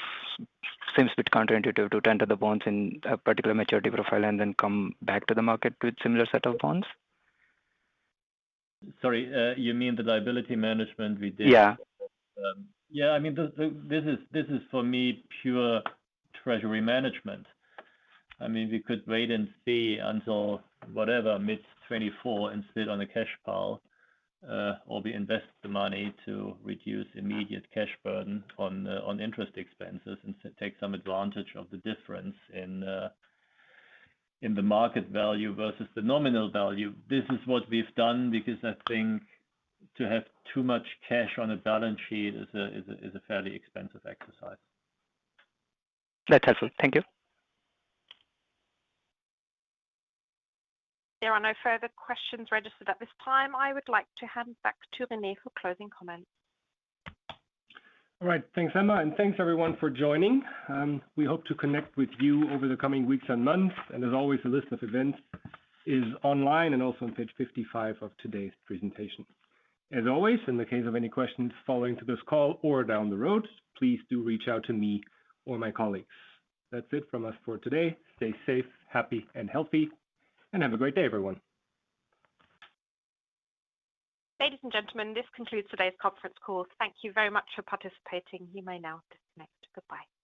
seems a bit counterintuitive to tender the bonds in a particular maturity profile and then come back to the market with similar set of bonds? Sorry, you mean the liability management we did? Yeah. Yeah, I mean, the, the, this is, this is for me, pure treasury management. I mean, we could wait and see until whatever, mid 2024, and sit on a cash pile, or we invest the money to reduce immediate cash burden on interest expenses and take some advantage of the difference in the market value versus the nominal value. This is what we've done because I think to have too much cash on a balance sheet is a, is a, is a fairly expensive exercise. That's helpful. Thank you. There are no further questions registered at this time. I would like to hand back to Rene for closing comments. All right. Thanks, Emma, and thanks everyone for joining. We hope to connect with you over the coming weeks and months, and as always, a list of events is online and also on page 55 of today's presentation. As always, in the case of any questions following to this call or down the road, please do reach out to me or my colleagues. That's it from us for today. Stay safe, happy and healthy, and have a great day, everyone. Ladies and gentlemen, this concludes today's conference call. Thank you very much for participating. You may now disconnect. Goodbye.